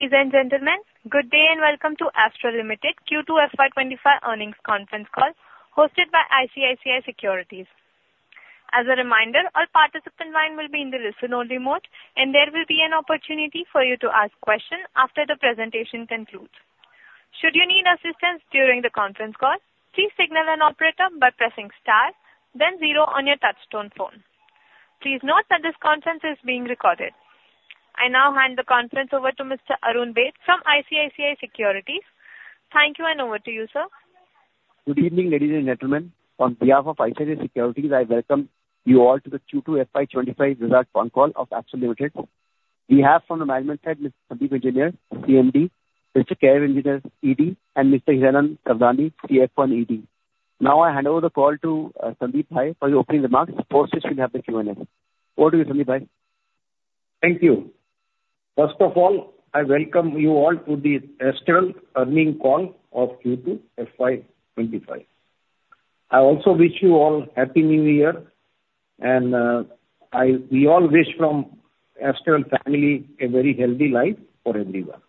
Ladies and gentlemen, good day and welcome to Astral Limited Q2 FY25 earnings conference call, hosted by ICICI Securities. As a reminder, all participants' lines will be in the listen-only mode, and there will be an opportunity for you to ask questions after the presentation concludes. Should you need assistance during the conference call, please signal an operator by pressing star, then zero on your touch-tone phone. Please note that this conference is being recorded. I now hand the conference over to Mr. Arun Baheti from ICICI Securities. Thank you, and over to you, sir. Good evening, ladies and gentlemen. On behalf of ICICI Securities, I welcome you all to the Q2 FY25 result phone call of Astral Limited. We have, from the management side, Mr. Sandeep Engineer, CMD, Mr. Kairav Engineer, ED, and Mr. Hiranand Savlani, CFO, ED. Now, I hand over the call to Sandeep Engineer for the opening remarks, post which we'll have the Q&A. Over to you, Sandeep Engineer. Thank you. First of all, I welcome you all to the Astral earnings call of Q2 FY25. I also wish you all a Happy New Year, and we all wish from the Astral family a very healthy life for everyone.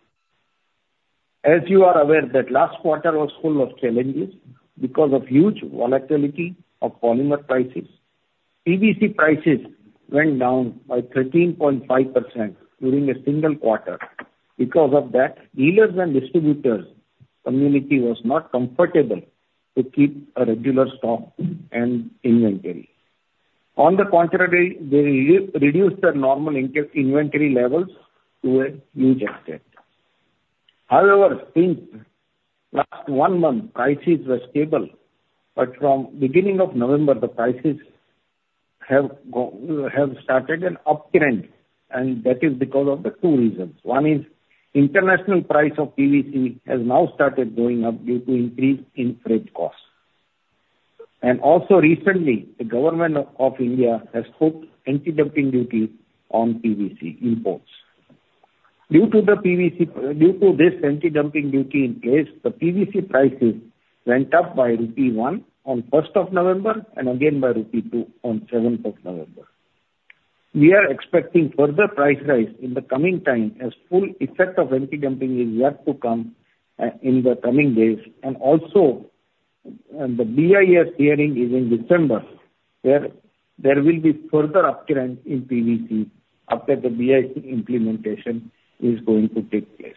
As you are aware, the last quarter was full of challenges because of huge volatility of polymer prices. PVC prices went down by 13.5% during a single quarter. Because of that, dealers and distributor community was not comfortable to keep a regular stock and inventory. On the contrary, they reduced their normal inventory levels to a huge extent. However, since last one month, prices were stable, but from the beginning of November, the prices have started an uptrend, and that is because of two reasons. One is international price of PVC has now started going up due to increased freight costs. Also, recently, the government of India has put anti-dumping duty on PVC imports. Due to this anti-dumping duty in place, the PVC prices went up by rupee 1 on November 1st and again by rupee 2 on the November 7th. We are expecting further price rise in the coming time as full effect of anti-dumping is yet to come in the coming days. Also, the BIS hearing is in December, where there will be further uptrend in PVC after the BIS implementation is going to take place.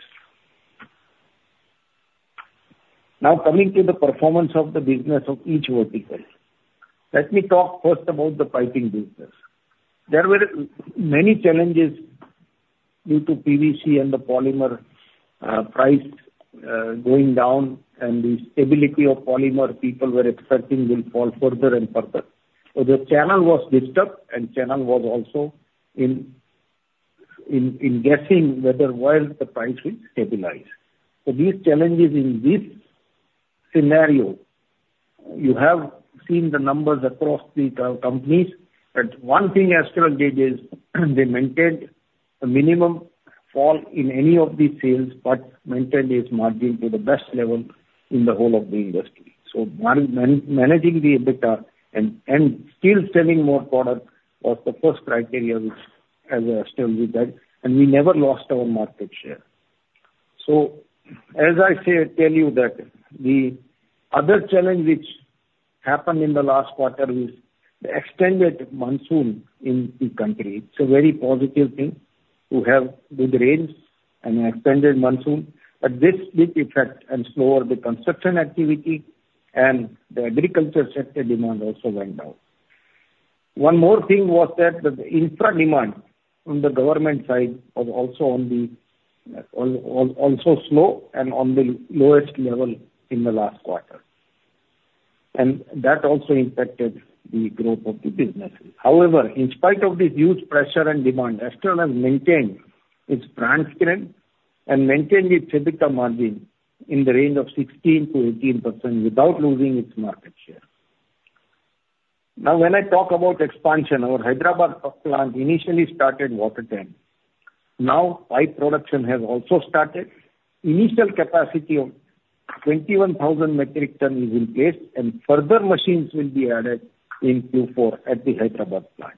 Now, coming to the performance of the business of each vertical, let me talk first about the piping business. There were many challenges due to PVC and the polymer price going down, and the stability of polymer people were expecting will fall further and further. The channel was disturbed, and the channel was also in guessing whether while the price will stabilize. These challenges in this scenario, you have seen the numbers across the companies, but one thing Astral did is they maintained a minimum fall in any of the sales, but maintained its margin to the best level in the whole of the industry. Managing the EBITDA and still selling more product was the first criteria which Astral did that, and we never lost our market share. As I tell you that, the other challenge which happened in the last quarter is the extended monsoon in the country. It's a very positive thing to have good rains and an extended monsoon, but this big effect and slower the construction activity and the agriculture sector demand also went down. One more thing was that the infra demand on the government side was also slow and on the lowest level in the last quarter, and that also impacted the growth of the businesses. However, in spite of this huge pressure and demand, Astral has maintained its brand strength and maintained its EBITDA margin in the range of 16%-18% without losing its market share. Now, when I talk about expansion, our Hyderabad plant initially started water tank. Now, pipe production has also started. Initial capacity of 21,000 metric tons is in place, and further machines will be added in Q4 at the Hyderabad plant.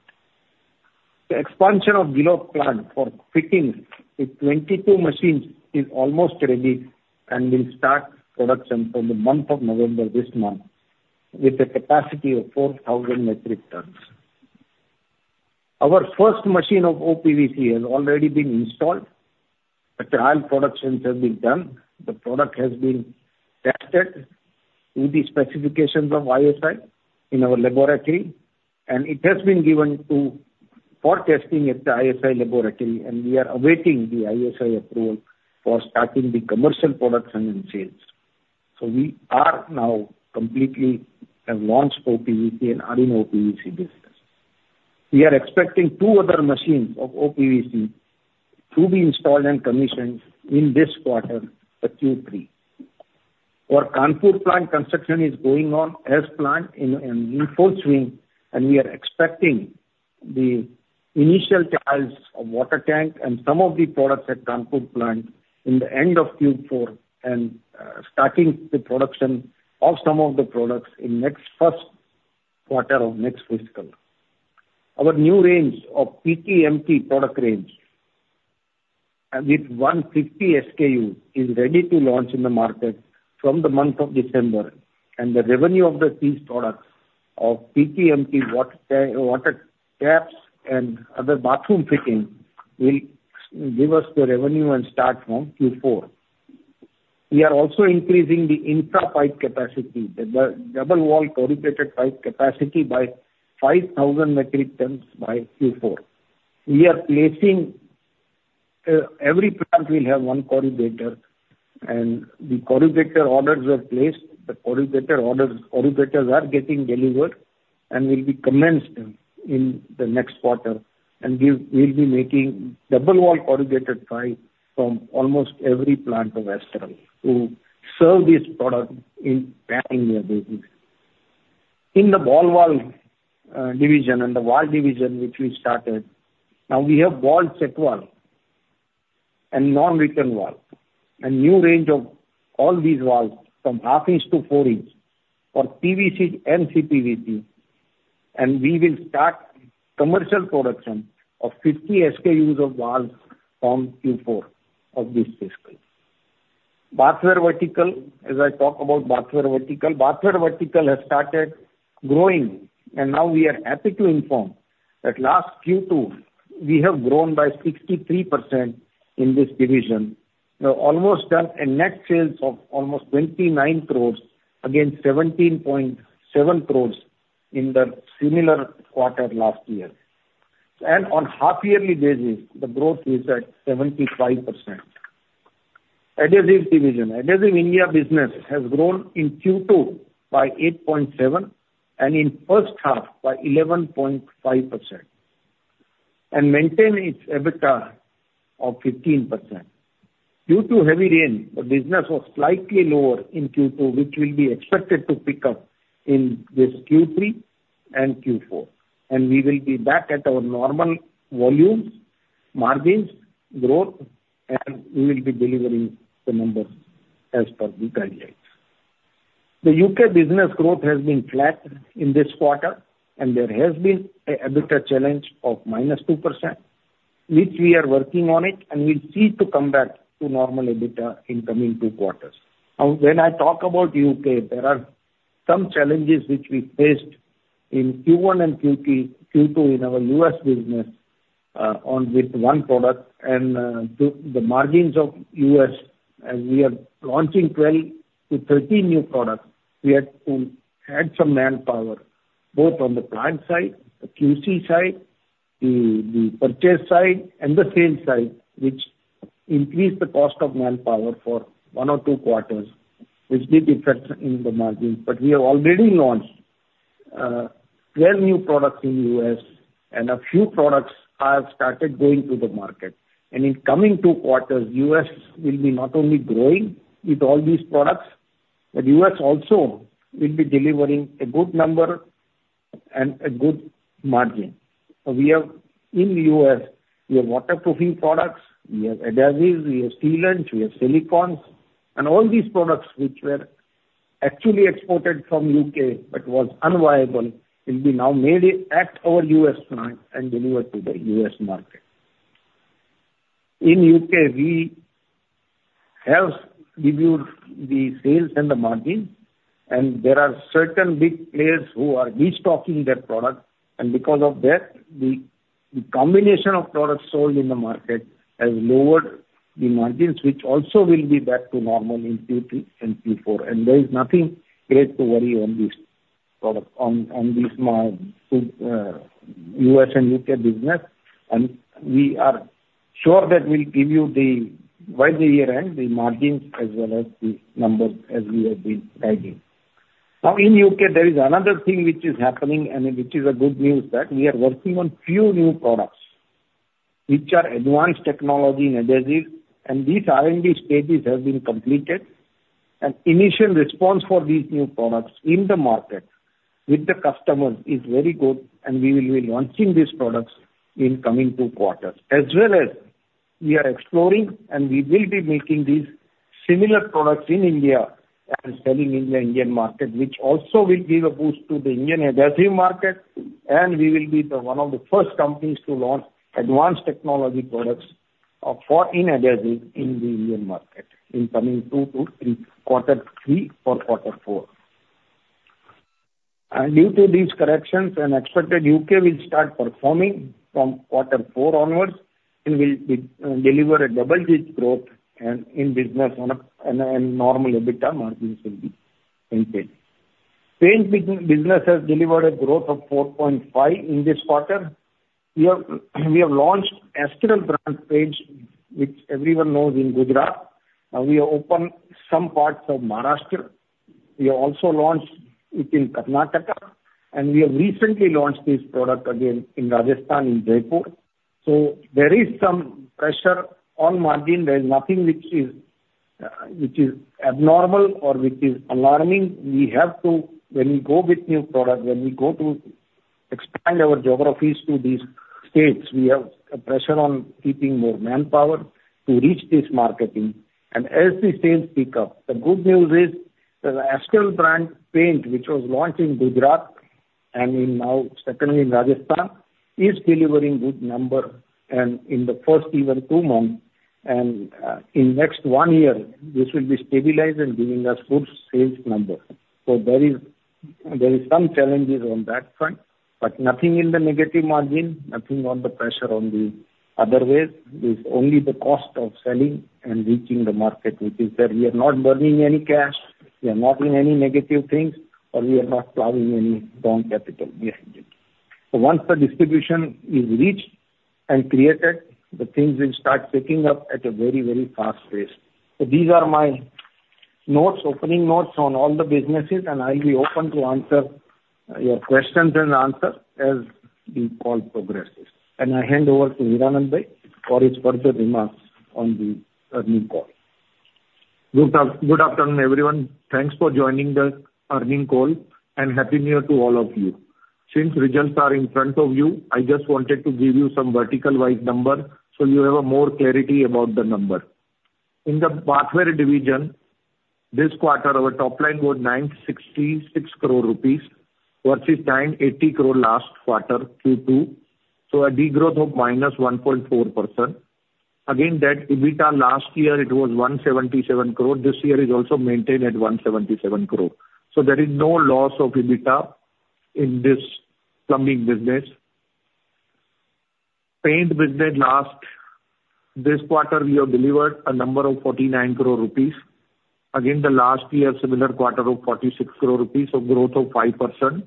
The expansion of Ghiloth plant for fittings with 22 machines is almost ready and will start production from the month of November this month with a capacity of 4,000 metric tons. Our first machine of OPVC has already been installed. The trial productions have been done. The product has been tested to the specifications of ISI in our laboratory, and it has been given for testing at the ISI laboratory, and we are awaiting the ISI approval for starting the commercial production and sales. So we have now completely launched OPVC and our OPVC business. We are expecting two other machines of OPVC to be installed and commissioned in this quarter, Q3. Our Kanpur plant construction is going on as planned and in full swing, and we are expecting the initial trials of water tank and some of the products at Kanpur plant in the end of Q4 and starting the production of some of the products in the next first quarter of next fiscal. Our new range of PTMT product range with 150 SKUs is ready to launch in the market from the month of December, and the revenue of these products of PTMT water taps and other bathroom fittings will give us the revenue and start from Q4. We are also increasing the infra pipe capacity, the double-wall corrugated pipe capacity by 5,000 metric tons by Q4. We are planning every plant will have one corrugator, and the corrugator orders were placed. The corrugator orders, corrugators are getting delivered and will be commenced in the next quarter, and we'll be making double-wall corrugated pipe from almost every plant of Astral to serve this product in the business. In the ball valve division and the valve division, which we started, now we have Ball Check Valve and non-return valve and new range of all these valves from half inch to four inch for PVC and CPVC, and we will start commercial production of 50 SKUs of valves from Q4 of this fiscal. Bathware vertical, as I talk about bathware vertical, bathware vertical has started growing, and now we are happy to inform that last Q2 we have grown by 63% in this division. We have almost done a net sales of almost 29 crore against 17.7 crore in the similar quarter last year, and on a half-yearly basis, the growth is at 75%. Adhesive division, adhesive India business has grown in Q2 by 8.7% and in first half by 11.5% and maintained its EBITDA of 15%. Due to heavy rain, the business was slightly lower in Q2, which will be expected to pick up in this Q3 and Q4, and we will be back at our normal volumes, margins, growth, and we will be delivering the numbers as per the guidelines. The U.K. business growth has been flat in this quarter, and there has been an EBITDA challenge of -2%, which we are working on, and we see to come back to normal EBITDA in the coming two quarters. Now, when I talk about U.K., there are some challenges which we faced in Q1 and Q2 in our U.S. business with one product and the margins of U.S. As we are launching 12-13 new products, we had to add some manpower both on the plant side, the QC side, the purchase side, and the sales side, which increased the cost of manpower for one or two quarters, which did affect the margins, but we have already launched 12 new products in the U.S., and a few products have started going to the market. In the coming two quarters, U.S. will be not only growing with all these products, but U.S. also will be delivering a good number and a good margin. We have in the U.S. waterproofing products, we have adhesives, we have sealants, we have silicones, and all these products which were actually exported from U.K. but were unviable will be now made at our U.S. plant and delivered to the U.S. market. In U.K., we have reduced the sales and the margins, and there are certain big players who are restocking their products, and because of that, the combination of products sold in the market has lowered the margins, which also will be back to normal in Q2 and Q4, and there is nothing great to worry on this product on this U.S. and U.K. business, and we are sure that we'll give you by the year-end the margins as well as the numbers as we have been writing. Now, in U.K., there is another thing which is happening, and it is a good news that we are working on a few new products which are advanced technology and adhesives, and these R&D stages have been completed. Initial response for these new products in the market with the customers is very good, and we will be launching these products in the coming two quarters. As well as we are exploring, and we will be making these similar products in India and selling in the Indian market, which also will give a boost to the Indian adhesive market, and we will be one of the first companies to launch advanced technology products for adhesive in the Indian market in the coming two to three quarters, Q3 or Q4. Due to these corrections, I expect that U.K. will start performing from Q4 onwards and will deliver a double-digit growth in business, and normal EBITDA margins will be maintained. Paint business has delivered a growth of 4.5% in this quarter. We have launched Astral brand paints, which everyone knows in Gujarat. We have opened some parts of Maharashtra. We have also launched it in Karnataka, and we have recently launched this product again in Rajasthan in Jaipur. So there is some pressure on margin. There is nothing which is abnormal or which is alarming. We have to, when we go with new products, when we go to expand our geographies to these states, we have pressure on keeping more manpower to reach this marketing. And as the sales pick up, the good news is the Astral brand paint, which was launched in Gujarat and now secondly in Rajasthan, is delivering good numbers in the first even two months, and in the next one year, this will be stabilized and giving us good sales numbers. So there are some challenges on that front, but nothing in the negative margin, nothing on the pressure on the other ways. There's only the cost of selling and reaching the market, which is that we are not burning any cash, we are not in any negative things, or we are not plowing any wrong capital behind it. So once the distribution is reached and created, the things will start picking up at a very, very fast pace. So these are my opening notes on all the businesses, and I'll be open to answer your questions and answers as the call progresses, and I hand over to Hiranand Savlani for his further remarks on the earnings call. Good afternoon, everyone. Thanks for joining the earnings call and Happy New Year to all of you. Since results are in front of you, I just wanted to give you some vertical-wise numbers so you have more clarity about the numbers. In the bathware division, this quarter, our top line was 966 crore rupees versus 980 crore last quarter, Q2. So a degrowth of -1.4%. Again, that EBITDA last year, it was 177 crore. This year is also maintained at 177 crore. So there is no loss of EBITDA in this plumbing business. Paint business last this quarter, we have delivered a number of 49 crore rupees. Again, the last year, similar quarter of 46 crore rupees, a growth of 5%,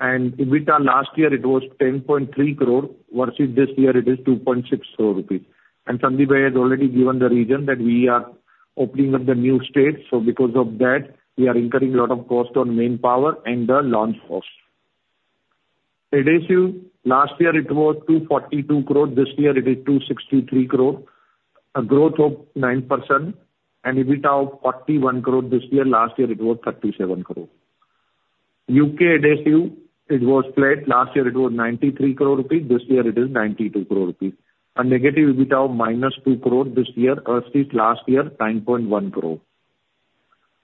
and EBITDA last year, it was 10.3 crore versus this year, it is 2.6 crore rupees. And Sandeep has already given the reason that we are opening up the new state. So because of that, we are incurring a lot of cost on manpower and the launch cost. Adhesive, last year, it was 242 crore. This year, it is 263 crore. A growth of 9% and EBITDA of 41 crore this year. Last year, it was 37 crore. U.K. adhesive, it was flat. Last year, it was 93 crore rupees. This year, it is 92 crore rupees. A negative EBITDA of minus 2 crore this year versus last year, 9.1 crore.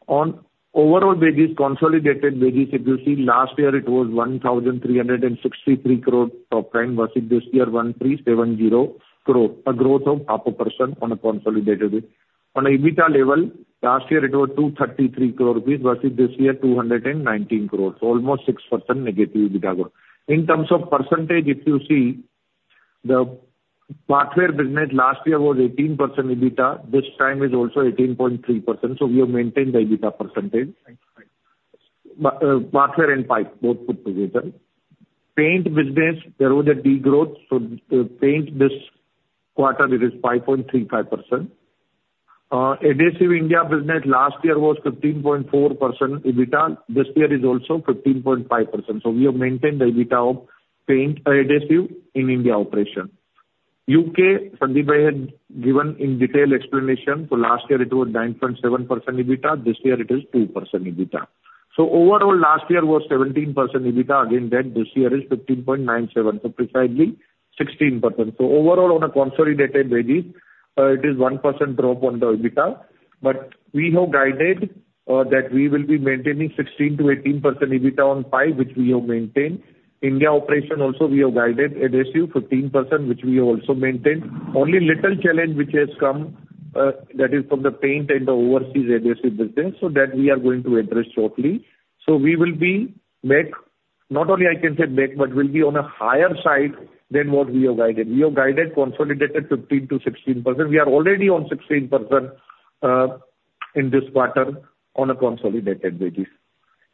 On overall basis, consolidated basis, if you see, last year, it was 1,363 crore top line versus this year, 1,370 crore. A growth of 0.5% on a consolidated basis. On an EBITDA level, last year, it was 233 crore rupees versus this year, 219 crore. So almost 6% negative EBITDA growth. In terms of percentage, if you see, the bathware business last year was 18% EBITDA. This time is also 18.3%. So we have maintained the EBITDA percentage. Bathware and pipe, both put together. Paint business, there was a degrowth. So the paint this quarter, it is 5.35%. Adhesives India business last year was 15.4% EBITDA. This year is also 15.5%. So we have maintained the EBITDA of paints adhesives in India operations. U.K., Sandeep Engineer had given in detail explanation. So last year, it was 9.7% EBITDA. This year, it is 2% EBITDA. So overall, last year was 17% EBITDA. Again, that this year is 15.97%, so precisely 16%. So overall, on a consolidated basis, it is 1% drop on the EBITDA, but we have guided that we will be maintaining 16%-18% EBITDA on pipes, which we have maintained. India operations also, we have guided adhesives 15%, which we have also maintained. Only little challenge which has come that is from the paints and the overseas adhesives business, so that we are going to address shortly. So we will be back. Not only can I say back, but we'll be on a higher side than what we have guided. We have guided consolidated 15%-16%. We are already on 16% in this quarter on a consolidated basis.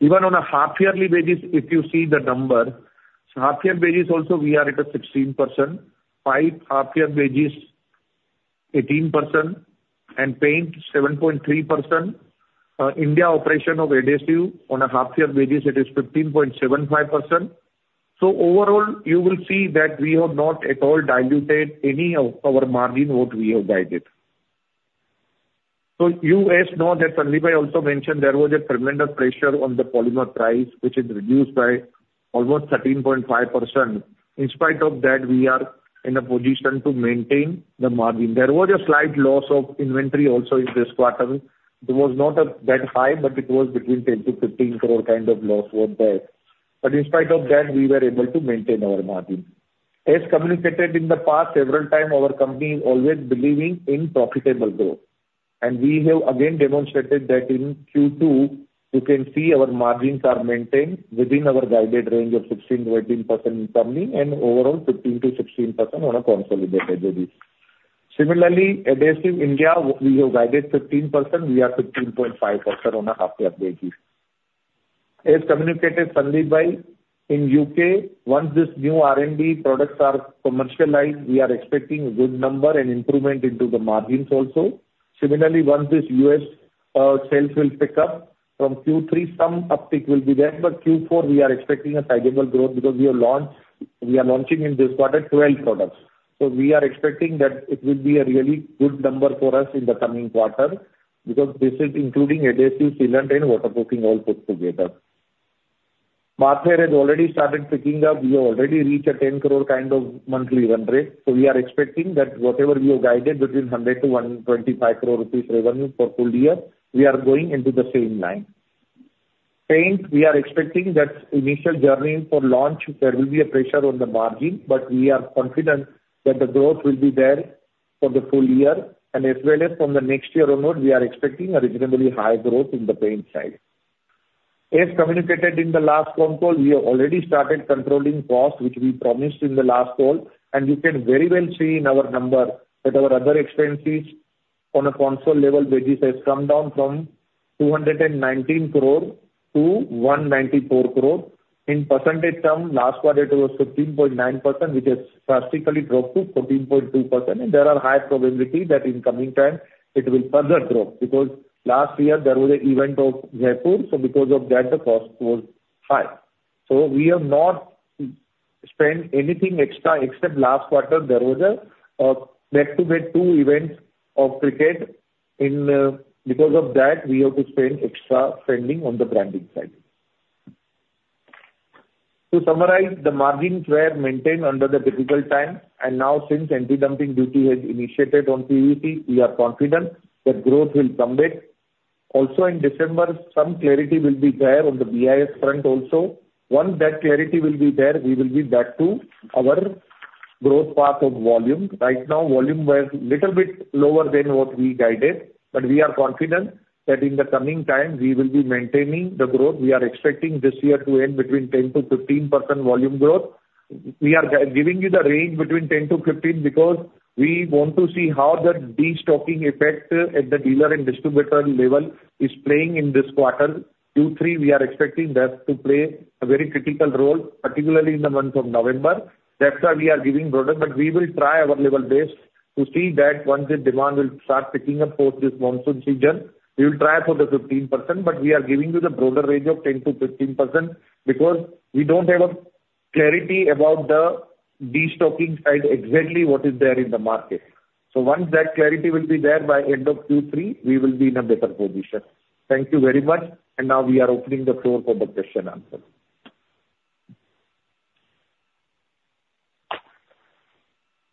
Even on a half-yearly basis, if you see the number, half-year basis also, we are at 16%. Pipe half-year basis, 18%, and paint 7.3%. India operation of adhesive on a half-year basis, it is 15.75%. So overall, you will see that we have not at all diluted any of our margin what we have guided, so you guys know that Sandeepbhai also mentioned there was a tremendous pressure on the polymer price, which is reduced by almost 13.5%. In spite of that, we are in a position to maintain the margin. There was a slight loss of inventory also in this quarter. It was not that high, but it was between 10 crore-15 crore kind of loss was there, but in spite of that, we were able to maintain our margin. As communicated in the past several times, our company is always believing in profitable growth, and we have again demonstrated that in Q2. You can see our margins are maintained within our guided range of 16%-18% incoming and overall 15%-16% on a consolidated basis. Similarly, Adhesives India, we have guided 15%. We are 15.5% on a half-year basis. As communicated, Sandeep said, in U.K., once this new R&D products are commercialized, we are expecting a good number and improvement into the margins also. Similarly, once this U.S. sales will pick up from Q3, some uptick will be there, but Q4, we are expecting a sizable growth because we are launching in this quarter 12 products. So we are expecting that it will be a really good number for us in the coming quarter because this is including adhesive, sealant, and waterproofing all put together. Bathware has already started picking up. We have already reached a 10 crore kind of monthly run rate. So we are expecting that whatever we have guided between 100 crore to 125 crore rupees revenue for full year, we are going into the same line. Paint, we are expecting that initial journey for launch, there will be a pressure on the margin, but we are confident that the growth will be there for the full year. And as well as from the next year onward, we are expecting a reasonably high growth in the paint side. As communicated in the last phone call, we have already started controlling cost, which we promised in the last call, and you can very well see in our numbers that our other expenses on a consolidated level basis have come down from 219 crore to 194 crore. In percentage terms, last quarter it was 15.9%, which has drastically dropped to 14.2%, and there are high probabilities that in coming times, it will further drop because last year there was an event of Jaipur. So because of that, the cost was high. So we have not spent anything extra except last quarter, there was a back-to-back two events of cricket. Because of that, we have to spend extra spending on the branding side. To summarize, the margins were maintained under the difficult time, and now since anti-dumping duty has initiated on PVC, we are confident that growth will come back. Also in December, some clarity will be there on the BIS front also. Once that clarity will be there, we will be back to our growth path of volume. Right now, volume was a little bit lower than what we guided, but we are confident that in the coming time, we will be maintaining the growth. We are expecting this year to end between 10%-15% volume growth. We are giving you the range between 10%-15% because we want to see how the destocking effect at the dealer and distributor level is playing in this quarter. Q3, we are expecting that to play a very critical role, particularly in the month of November. That's why we are giving broader, but we will try our level best to see that once the demand will start picking up post this monsoon season, we will try for the 15%, but we are giving you the broader range of 10%-15% because we don't have clarity about the destocking side exactly what is there in the market. So once that clarity will be there by end of Q3, we will be in a better position. Thank you very much, and now we are opening the floor for the Q&A.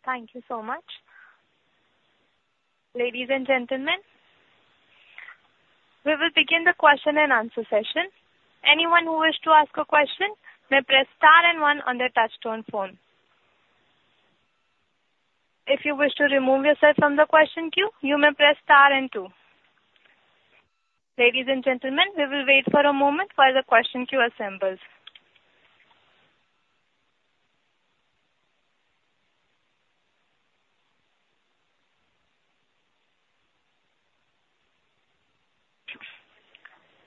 Thank you so much. Ladies and gentlemen, we will begin the Q&A session. Anyone who wish to ask a question may press star and one on their touch-tone phone. If you wish to remove yourself from the question queue, you may press star and two. Ladies and gentlemen, we will wait for a moment while the question queue assembles.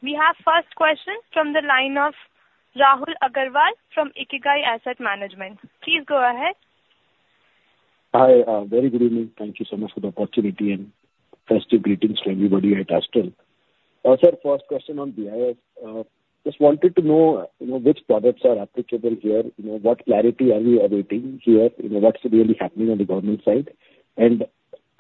We have first question from the line of Rahul Agarwal from Ikigai Asset Management. Please go ahead. Hi, very good evening. Thank you so much for the opportunity and festive greetings to everybody at Astral. Sir, first question on BIS. Just wanted to know which products are applicable here, what clarity are we awaiting here, what's really happening on the government side, and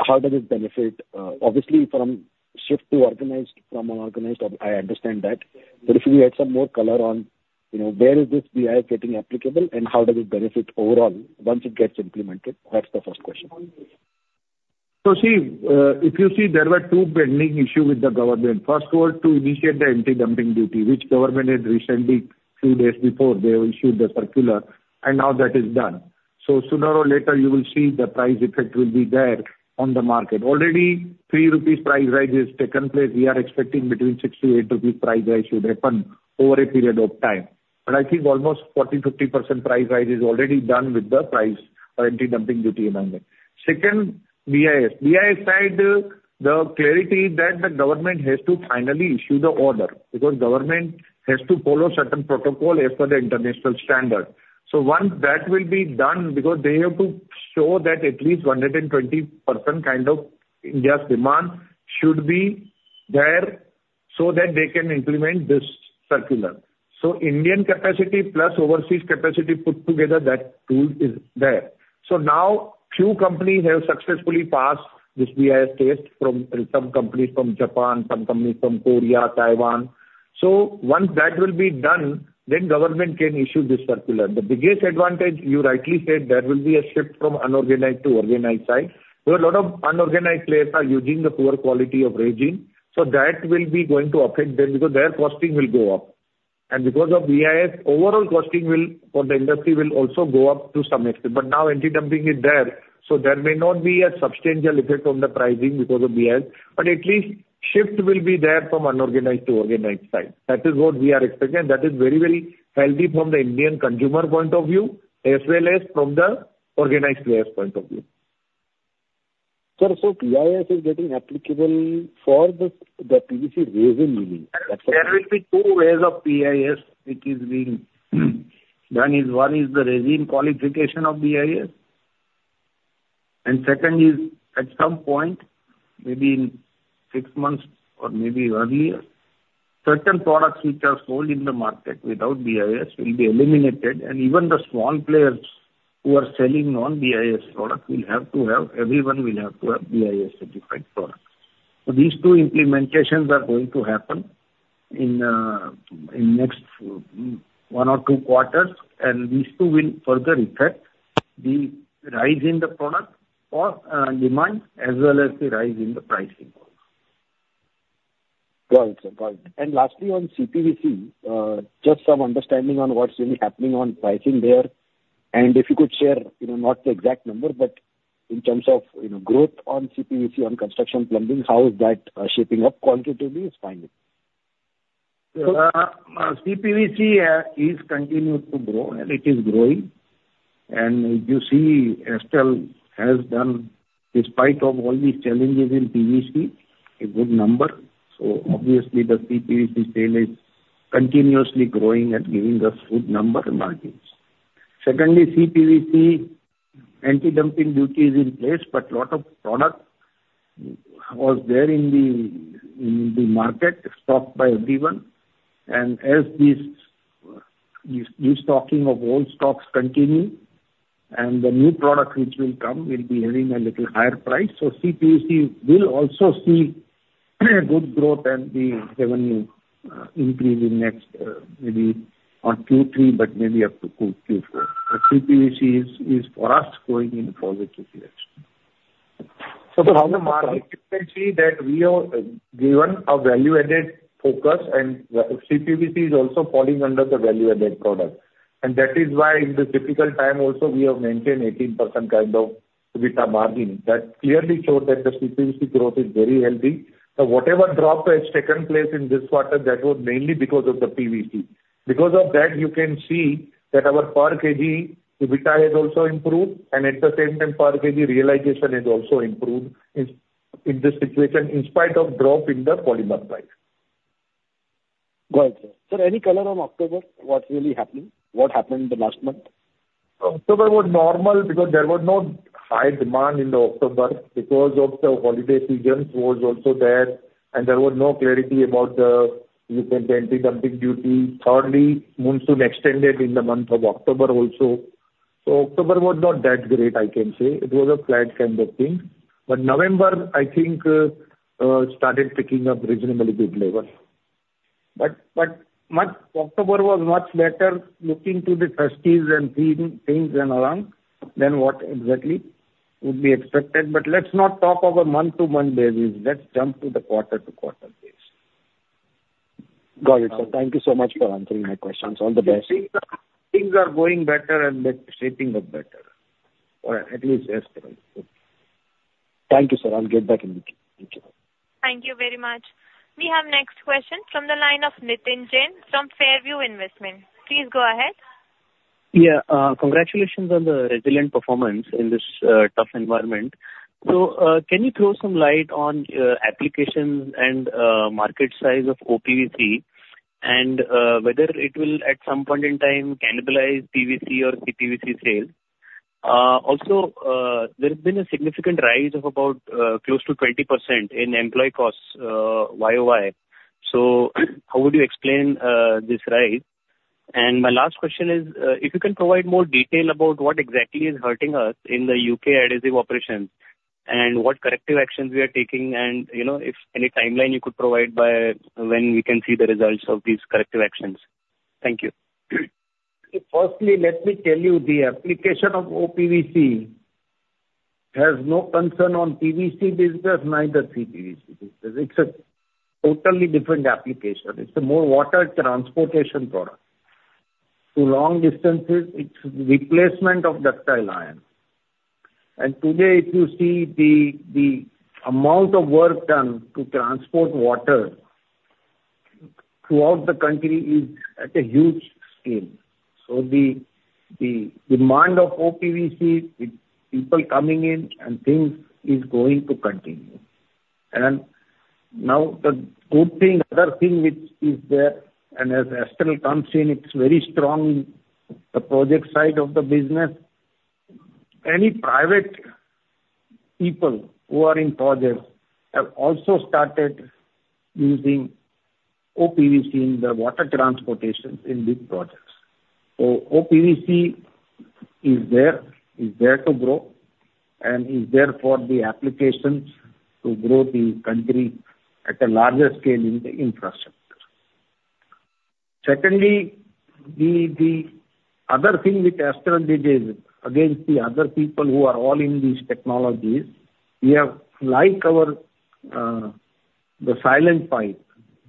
how does it benefit? Obviously, from shift to organized from unorganized, I understand that. But if you had some more color on where is this BIS getting applicable and how does it benefit overall once it gets implemented, that's the first question. So see, if you see, there were two pending issues with the government. First was to initiate the anti-dumping duty, which government had recently few days before they issued the circular, and now that is done. So sooner or later, you will see the price effect will be there on the market. Already, 3 rupees price rise has taken place. We are expecting between 6-8 rupees price rise should happen over a period of time. But I think almost 40%-50% price rise is already done with the price or anti-dumping duty amendment. Second, BIS. BIS side, the clarity is that the government has to finally issue the order because government has to follow certain protocol as per the international standard. So once that will be done, because they have to show that at least 120% kind of India's demand should be there so that they can implement this circular. So Indian capacity plus overseas capacity put together, that tool is there. So now, few companies have successfully passed this BIS test from some companies from Japan, some companies from Korea, Taiwan. So once that will be done, then government can issue this circular. The biggest advantage, you rightly said, there will be a shift from unorganized to organized side. There are a lot of unorganized players that are using the poor quality of resin. So that will be going to affect them because their costing will go up. And because of BIS, overall costing for the industry will also go up to some extent. But now, anti-dumping is there, so there may not be a substantial effect on the pricing because of BIS. But at least shift will be there from unorganized to organized side. That is what we are expecting. That is very, very healthy from the Indian consumer point of view, as well as from the organized players' point of view. Sir, so BIS is getting applicable for the PVC resin meeting. There will be two ways this is being done. One is the resin qualification of BIS. And second is, at some point, maybe in six months or maybe earlier, certain products which are sold in the market without BIS will be eliminated. And even the small players who are selling non-BIS products will have to have BIS certified products. So these two implementations are going to happen in the next one or two quarters. And these two will further affect the rise in the price of the product and demand as well as the rise in the pricing. Got it. And lastly, on CPVC, just some understanding on what's really happening on pricing there. And if you could share not the exact number, but in terms of growth on CPVC on construction plumbing, how is that shaping up? Qualitatively? It's fine. CPVC has continued to grow, and it is growing. And if you see, Astral has done, despite all these challenges in PVC, a good number. So obviously, the CPVC sale is continuously growing and giving us good number margins. Secondly, CPVC anti-dumping duty is in place, but a lot of product was there in the market stocked by everyone. And as this destocking of old stocks continue, and the new products which will come will be having a little higher price. So CPVC will also see good growth and the revenue increase in next maybe on Q3, but maybe up to Q4. But CPVC is for us going in a positive direction. So from the market, you can see that we have given a value-added focus, and CPVC is also falling under the value-added product. And that is why in the difficult time also, we have maintained 18% kind of EBITDA margin. That clearly showed that the CPVC growth is very healthy. So whatever drop has taken place in this quarter, that was mainly because of the PVC. Because of that, you can see that our per kg EBITDA has also improved, and at the same time, per kg realization has also improved in this situation in spite of drop in the polymer price. Got it. Sir, any color on October? What's really happening? What happened in the last month? October was normal because there was no high demand in the October because of the holiday season. It was also there, and there was no clarity about the anti-dumping duty. Thirdly, monsoon extended in the month of October also, so October was not that great, I can say. It was a flat kind of thing, but November, I think, started picking up reasonably good level, but October was much better looking to the festivals and things and around than what exactly would be expected, but let's not talk of a month-to-month basis. Let's jump to the quarter-to-quarter basis. Got it, sir. Thank you so much for answering my questions. All the best. Things are going better and shaping up better, or at least Astral. Thank you, sir. I'll get back in the queue. Thank you. Thank you very much. We have next question from the line of Nitin Jain from Fairview Investment. Please go ahead. Yeah. Congratulations on the resilient performance in this tough environment. So can you throw some light on application and market size of OPVC and whether it will at some point in time cannibalize PVC or CPVC sales? Also, there has been a significant rise of about close to 20% in employee costs year-over-year. So how would you explain this rise? And my last question is, if you can provide more detail about what exactly is hurting us in the UK adhesive operations and what corrective actions we are taking and if any timeline you could provide by when we can see the results of these corrective actions. Thank you. Firstly, let me tell you the application of OPVC has no concern on PVC business, neither CPVC business. It's a totally different application. It's a more water transportation product. To long distances, it's the replacement of ductile iron. Today, if you see the amount of work done to transport water throughout the country is at a huge scale. The demand of OPVC, people coming in and things is going to continue. Now the good thing, other thing which is there, and as Astral comes in, it's very strong in the project side of the business. Any private people who are in projects have also started using OPVC in the water transportation in big projects. OPVC is there, is there to grow, and is there for the applications to grow the country at a larger scale in the infrastructure. Secondly, the other thing with Astral, despite the other people who are all in these technologies, we have like the silent pipe,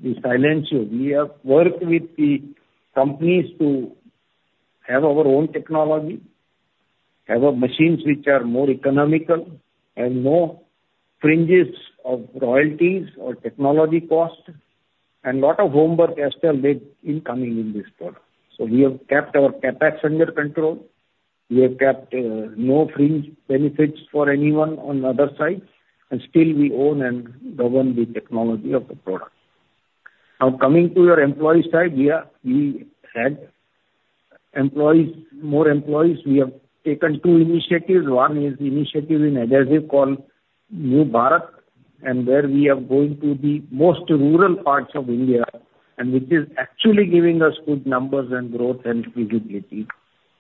the silent tube. We have worked with the companies to have our own technology, have machines which are more economical and no fringes of royalties or technology cost, and a lot of homework Astral did in coming in this product, so we have kept our CapEx under control. We have kept no fringe benefits for anyone on the other side, and still, we own and govern the technology of the product. Now, coming to your employee side, we had more employees. We have taken two initiatives. One is the initiative in adhesive called New Bharat, and where we are going to the most rural parts of India, and which is actually giving us good numbers and growth and visibility,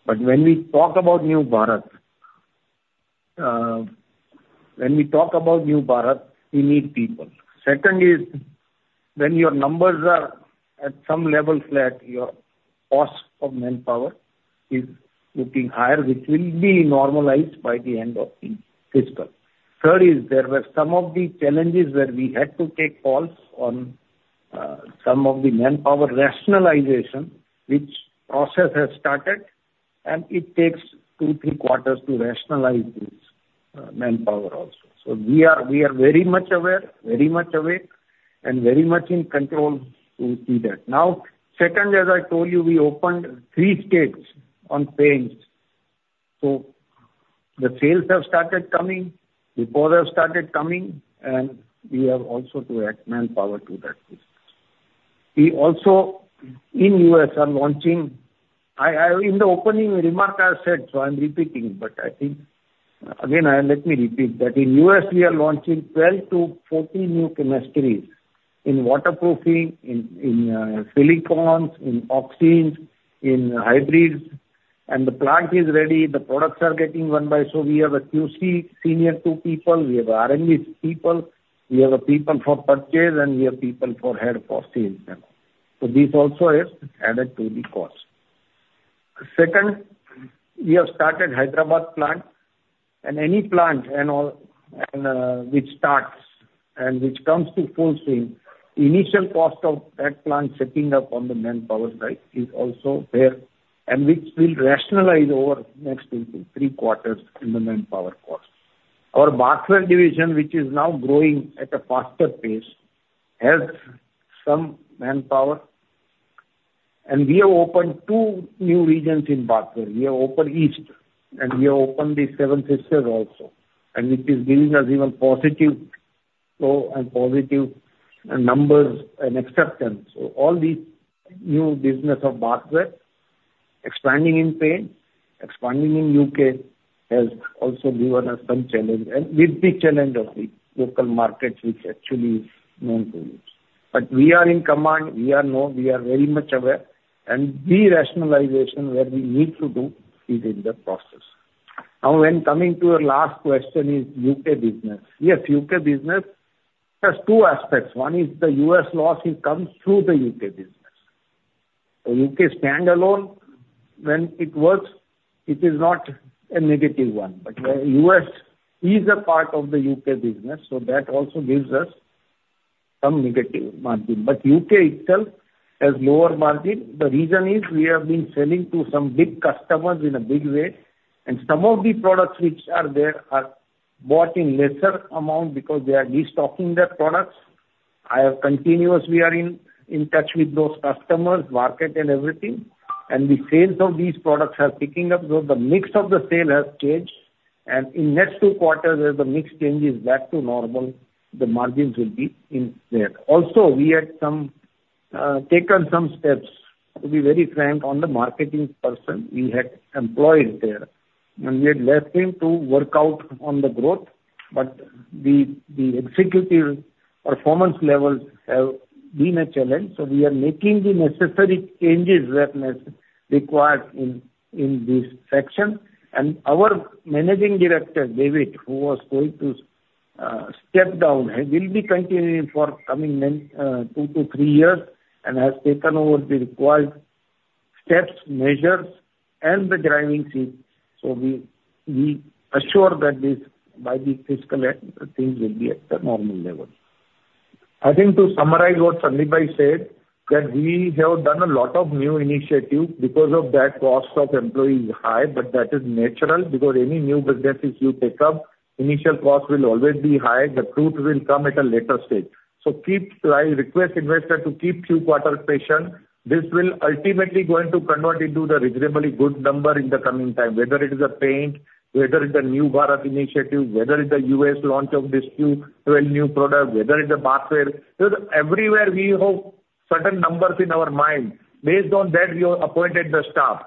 but when we talk about New Bharat, when we talk about New Bharat, we need people. Second is, when your numbers are at some level flat, your cost of manpower is looking higher, which will be normalized by the end of the fiscal. Third is, there were some of the challenges where we had to take calls on some of the manpower rationalization, which process has started, and it takes two, three quarters to rationalize this manpower also. So we are very much aware, very much awake, and very much in control to do that. Now, second, as I told you, we opened three states on paints. So the sales have started coming, the calls have started coming, and we have also to add manpower to that business. We also in U.S. are launching. In the opening remark, I said, so I'm repeating, but I think again, let me repeat that in U.S., we are launching 12 to 14 new chemistries in waterproofing, in silicones, in oximes, in hybrids, and the plant is ready. The products are getting run by Suvir. We have a QC senior two people. We have R&D people. We have people for purchase, and we have people for head for sales. So this also is added to the cost. Second, we have started Hyderabad plant, and any plant which starts and which comes to full swing, initial cost of that plant setting up on the manpower side is also there, and which will rationalize over next two to three quarters in the manpower cost. Our bathware division, which is now growing at a faster pace, has some manpower. We have opened two new regions in bathware. We have opened east, and we have opened the seven sisters also, and which is giving us even positive flow and positive numbers and acceptance. So all these new business of bathware, expanding in paints, expanding in U.K., has also given us some challenge, and with the challenge of the local market, which actually is known to us. But we are in command. We are very much aware. The rationalization where we need to do is in the process. Now, when coming to your last question is U.K. business. Yes, U.K. business has two aspects. One is the U.S. loss comes through the U.K. business. So U.K. standalone, when it works, it is not a negative one. But U.S. is a part of the U.K. business, so that also gives us some negative margin. But U.K. itself has lower margin. The reason is we have been selling to some big customers in a big way, and some of the products which are there are bought in lesser amount because they are destocking their products. I have continuously been in touch with those customers, market, and everything, and the sales of these products are picking up, so the mix of the sale has changed, and in next two quarters, as the mix changes back to normal, the margins will be there. Also, we had taken some steps, to be very frank, on the marketing person. We had employees there, and we had left him to work out on the growth, but the executive performance levels have been a challenge, so we are making the necessary changes that are required in this section. Our Managing Director, David, who was going to step down, will be continuing for the coming two to three years and has taken over the required steps, measures, and the driving seat. We assure that by the fiscal things will be at the normal level. I think to summarize what Sandeep said, that we have done a lot of new initiatives because of that cost of employees high, but that is natural because any new businesses you pick up, initial cost will always be high. The truth will come at a later stage. Keep trying to request investors to keep Q4 patient. This will ultimately going to convert into the reasonably good number in the coming time, whether it is a paint, whether it is the New Bharat initiative, whether it is the US launch of this 12 new product, whether it is the bathware. Everywhere we have certain numbers in our mind. Based on that, we have appointed the staff.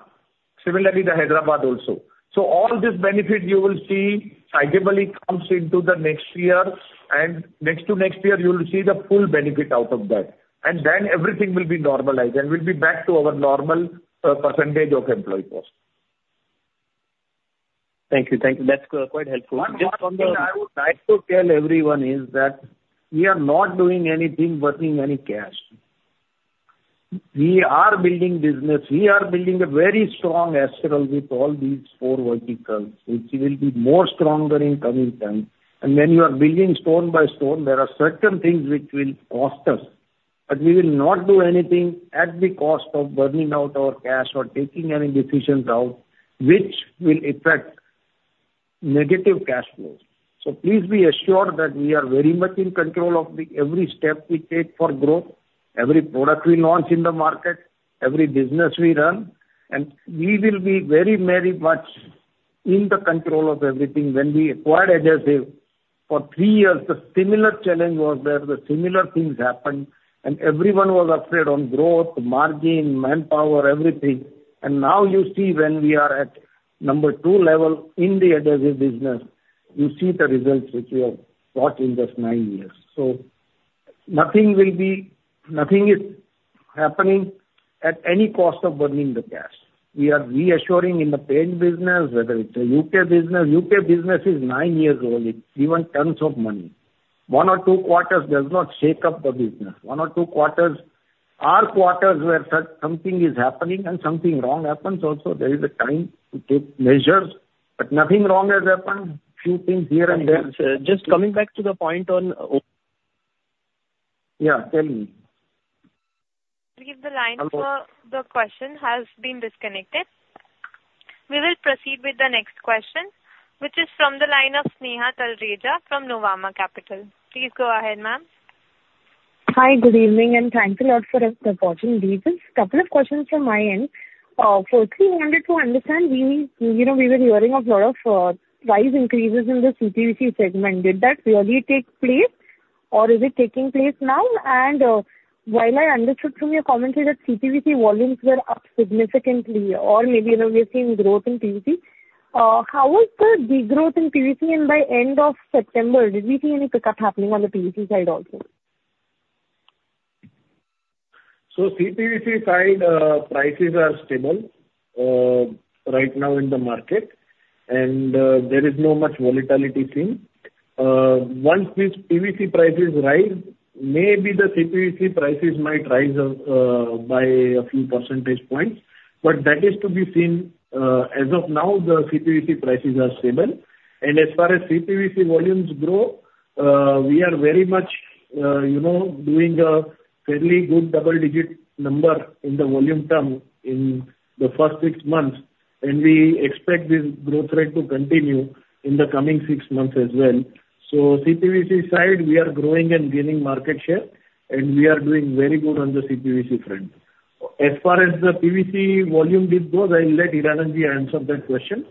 Similarly, the Hyderabad also. So all this benefit you will see tangibly comes into the next year. And next to next year, you will see the full benefit out of that. And then everything will be normalized and will be back to our normal percentage of employee cost. Thank you. Thank you. That's quite helpful. Just one thing I would like to tell everyone is that we are not doing anything burning any cash. We are building business. We are building a very strong Astral with all these four verticals, which will be more stronger in coming time. And when you are building stone by stone, there are certain things which will cost us. But we will not do anything at the cost of burning out our cash or taking any decisions out, which will affect negative cash flows. So please be assured that we are very much in control of every step we take for growth, every product we launch in the market, every business we run. And we will be very, very much in the control of everything. When we acquired adhesives for three years, the similar challenge was there. The similar things happened, and everyone was upset on growth, margin, manpower, everything. And now you see when we are at number two level in the adhesives business, you see the results which we have got in just nine years. So nothing will be happening at any cost of burning cash. We are reassuring in the adhesive business, whether it's a U.K. business. U.K. business is nine years old. It's given tons of money. One or two quarters does not shake up the business. One or two quarters, our quarters where something is happening and something wrong happens also, there is a time to take measures. But nothing wrong has happened. Few things here and there. Just coming back to the point on. Yeah, tell me. The line for the question has been disconnected. We will proceed with the next question, which is from the line of Sneha Talreja from Nuvama Capital. Please go ahead, ma'am. Hi, good evening, and thank you a lot for the opportunity. This is a couple of questions from my end. Firstly, we wanted to understand, we were hearing of a lot of price increases in the CPVC segment. Did that really take place, or is it taking place now? While I understood from your commentary that CPVC volumes were up significantly, or maybe we've seen growth in PVC, how was the growth in PVC by end of September? Did we see any pickup happening on the PVC side also? CPVC side prices are stable right now in the market, and there is not much volatility seen. Once these PVC prices rise, maybe the CPVC prices might rise by a few percentage points, but that is to be seen. As of now, the CPVC prices are stable. As far as CPVC volumes grow, we are very much doing a fairly good double-digit number in the volume term in the first six months, and we expect this growth rate to continue in the coming six months as well. CPVC side, we are growing and gaining market share, and we are doing very good on the CPVC front. As far as the PVC volume did go, I'll let Hiranandji answer that question,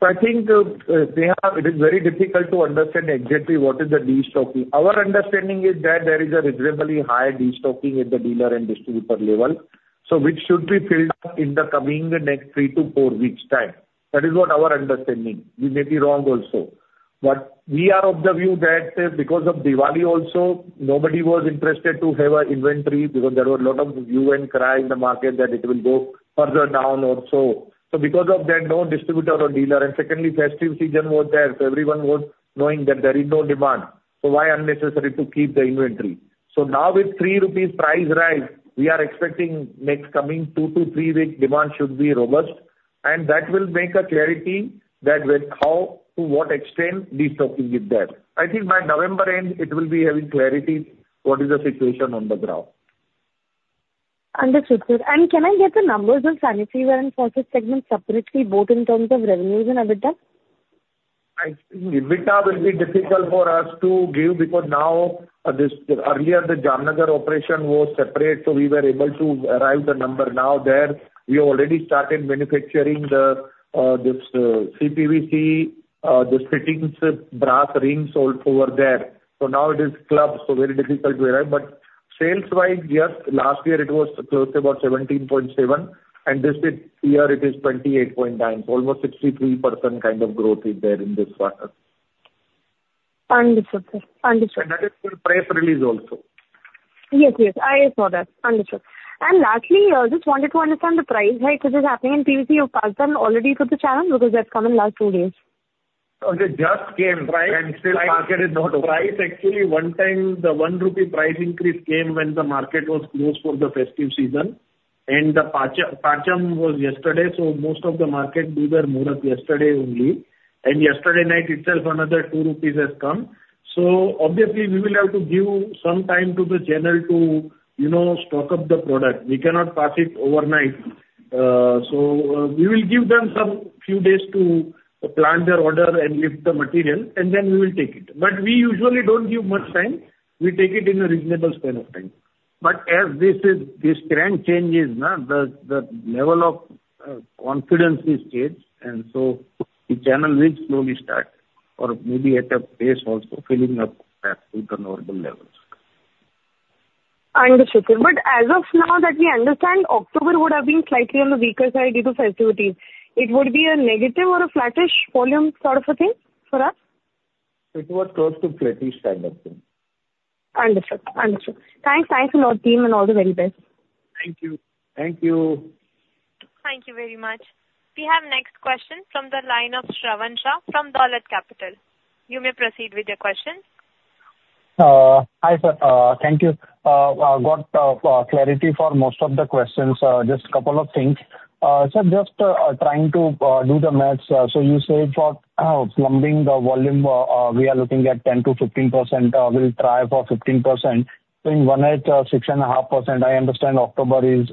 so I think it is very difficult to understand exactly what is the destocking. Our understanding is that there is a reasonably high destocking at the dealer and distributor level, so which should be filled up in the coming next three to four weeks' time. That is what our understanding. We may be wrong also, but we are of the view that because of Diwali also, nobody was interested to have an inventory because there were a lot of hue and cry in the market that it will go further down also. So because of that, no distributor or dealer, and secondly, festive season was there, so everyone was knowing that there is no demand, so why unnecessary to keep the inventory? Now with 3 rupees price rise, we are expecting next coming two to three weeks, demand should be robust. That will make a clarity that how to what extent destocking is there. I think by November end, it will be having clarity what is the situation on the ground. Understood. Can I get the numbers of sanitary and fittings segment separately, both in terms of revenues and EBITDA? EBITDA will be difficult for us to give because now earlier, the Jamnagar operation was separate, so we were able to arrive at the number. Now there, we already started manufacturing the CPVC, the fittings, brass rings all over there. So now it is clubbed, so very difficult to arrive. But sales-wise, yes, last year it was close to about 17.7%, and this year it is 28.9%. So almost 63% kind of growth is there in this quarter. Understood. Understood. And that is for press release also. Yes, yes. I saw that. Understood. And lastly, I just wanted to understand the price hike which is happening in PVC. You've passed them already to the channel because they have come in the last two days. Okay, just came. And still, market is not open. Price, actually, one time, the 1 rupee price increase came when the market was closed for the festive season. And the Diwali was yesterday, so most of the market did their Muhurat yesterday only. And yesterday night itself, another 2 rupees has come. So obviously, we will have to give some time to the channel to stock up the product. We cannot pass it overnight. So we will give them some few days to place their order and lift the material, and then we will take it. But we usually don't give much time. We take it in a reasonable span of time. But as this trend changes, the level of confidence is changed, and so the channel will slowly start or maybe at a pace also filling up back to the normal levels. Understood. But as of now that we understand, October would have been slightly on the weaker side due to festivities. It would be a negative or a flattish volume sort of a thing for us? It was close to flattish kind of thing. Understood. Understood. Thanks. Thanks a lot, team, and all the very best. Thank you. Thank you. Thank you very much. We have next question from the line of Shravan Shah from Dolat Capital. You may proceed with your question. Hi, sir. Thank you. Got clarity for most of the questions. Just a couple of things. Sir, just trying to do the math. So you said for plumbing the volume, we are looking at 10%-15%. We'll try for 15%. So in Q1 at 6.5%, I understand October, as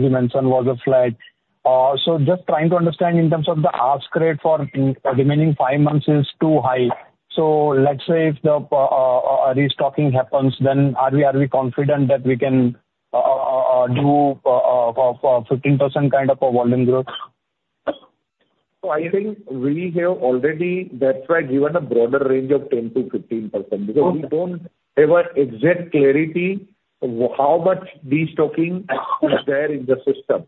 you mentioned, was flat. So just trying to understand in terms of the growth rate for remaining five months is too high. So let's say if the restocking happens, then are we confident that we can do 15% kind of a volume growth? So I think we have already, that's why given a broader range of 10%-15% because- We don't have an exact clarity how much destocking is there in the system.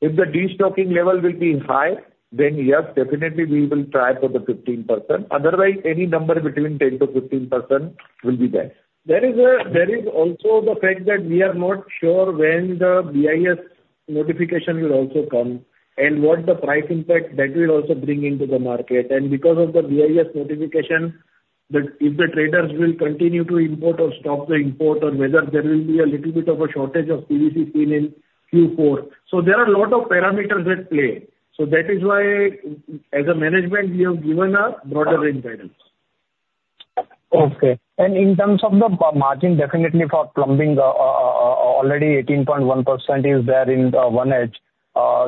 If the destocking level will be high, then yes, definitely we will try for the 15%. Otherwise, any number between 10%-15% will be there. There is also the fact that we are not sure when the BIS notification will also come and what the price impact that will also bring into the market. And because of the BIS notification, if the traders will continue to import or stop the import, or whether there will be a little bit of a shortage of PVC seen in Q4. So there are a lot of parameters at play. So that is why, as a management, we have given a broader guidance. Okay. And in terms of the margin, definitely for plumbing, already 18.1% is there in 1Q.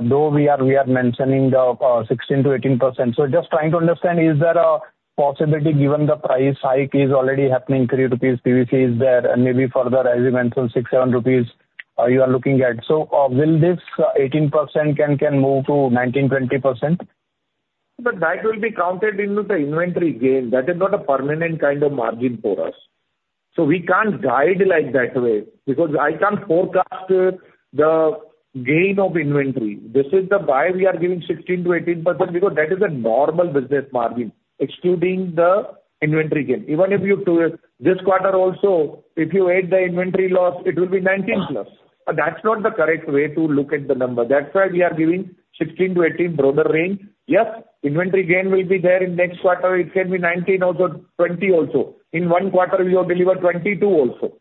Though we are mentioning the 16%-18%. So just trying to understand, is there a possibility given the price hike is already happening 3 rupees PVC is there and maybe further, as you mentioned, 6 rupees, 7 rupees you are looking at. So will this 18% can move to 19%-20%? But that will be counted into the inventory gain. That is not a permanent kind of margin for us. So we can't guide like that way because I can't forecast the gain of inventory. This is why we are giving 16%-18% because that is a normal business margin, excluding the inventory gain. Even if you do this quarter also, if you add the inventory loss, it will be 19%+. That's not the correct way to look at the number. That's why we are giving 16%-18% broader range. Yes, inventory gain will be there in next quarter. It can be 19% also, 20% also. In one quarter, we will deliver 22% also.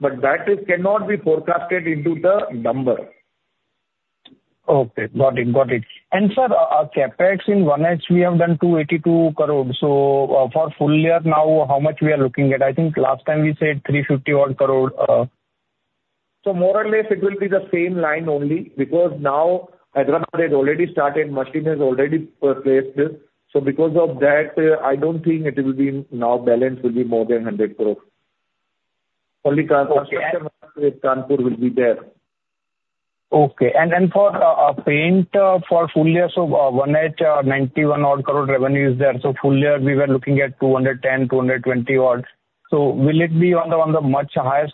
But that cannot be forecasted into the number. Okay. Got it. Got it. And sir, CapEx in H1, we have done 282 crore. For full year now, how much are we looking at? I think last time we said 350 crore approximately. More or less, it will be the same. Now Hyderabad has already started. Machine has already been placed. Because of that, I don't think the balance will be more than 100 crore. Only construction with Kanpur will be there. Okay. For paints for full year, Q1 had 91 crore revenue approximately. For full year, we were looking at 210 crore-220 crore. Will it be much higher?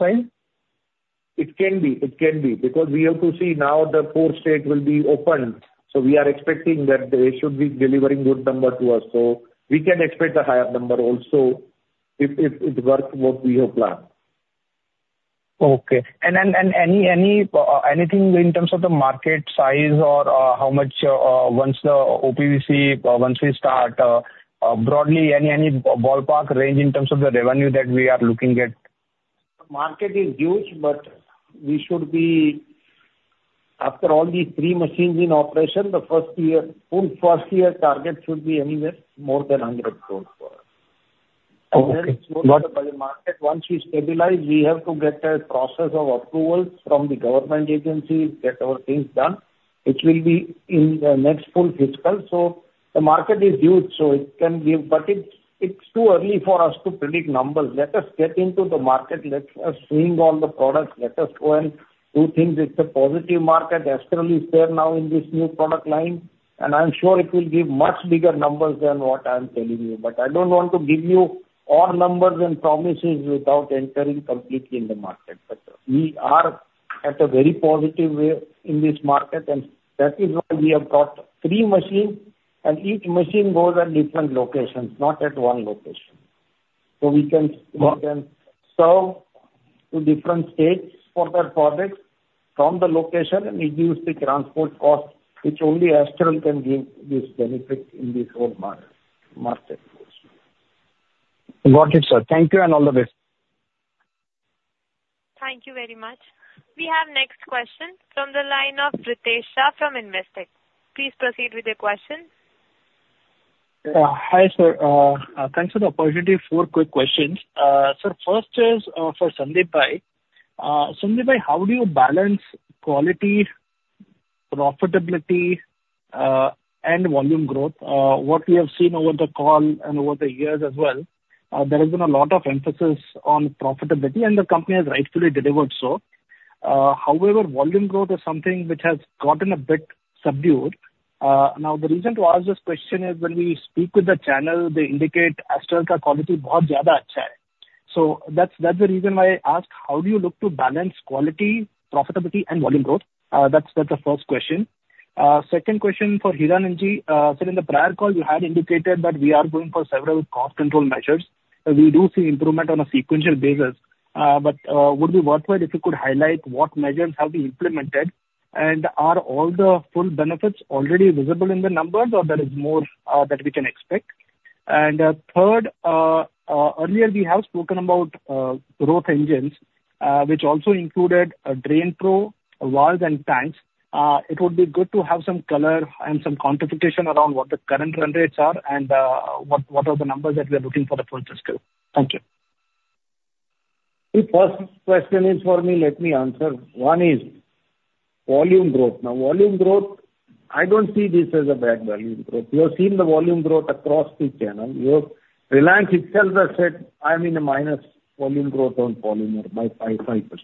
It can be. It can be because we have to see. Now the fourth store will be open. We are expecting that they should deliver good numbers to us. We can expect a higher number also if it works as we have planned. Okay. Anything in terms of the market size or how much once the OPVC, once we start broadly, any ballpark range in terms of the revenue that we are looking at? Market is huge, but we should be, after all these three machines in operation, the first year, full first year target should be anywhere more than 100 crore for us. And then the market, once we stabilize, we have to get a process of approvals from the government agencies, get our things done. It will be in the next full fiscal. So the market is huge, so it can give, but it's too early for us to predict numbers. Let us get into the market. Let us swing all the products. Let us go and do things. It's a positive market. Astral is there now in this new product line. And I'm sure it will give much bigger numbers than what I'm telling you. But I don't want to give you all numbers and promises without entering completely in the market. But we are at a very positive way in this market, and that is why we have got three machines, and each machine goes at different locations, not at one location. So we can serve to different states for their products from the location, and it gives the transport cost, which only Astral can give this benefit in this whole market. Got it, sir. Thank you and all the best. Thank you very much. We have next question from the line of Ritesh Shah from Investec. Please proceed with the question. Hi, sir. Thanks for the opportunity for quick questions. Sir, first is for Sandeepbhai. Sandeepbhai, how do you balance quality, profitability, and volume growth? What we have seen over the call and over the years as well, there has been a lot of emphasis on profitability, and the company has rightfully delivered so. However, volume growth is something which has gotten a bit subdued. Now, the reason to ask this question is when we speak with the channel, they indicate Astral's quality is much better. So that's the reason why I asked, how do you look to balance quality, profitability, and volume growth? That's the first question. Second question for Hiranandji. Sir, in the prior call, you had indicated that we are going for several cost control measures. We do see improvement on a sequential basis. But would be worthwhile if you could highlight what measures have been implemented, and are all the full benefits already visible in the numbers, or there is more that we can expect? And third, earlier we have spoken about growth engines, which also included DrainPro, valves, and tanks. It would be good to have some color and some quantification around what the current run rates are and what are the numbers that we are looking for FY24 too. Thank you. The first question is for me. Let me answer. One is volume growth. Now, volume growth, I don't see this as a bad value growth. You have seen the volume growth across the channel. Reliance itself has said, "I'm in a minus volume growth on polymer by 5%."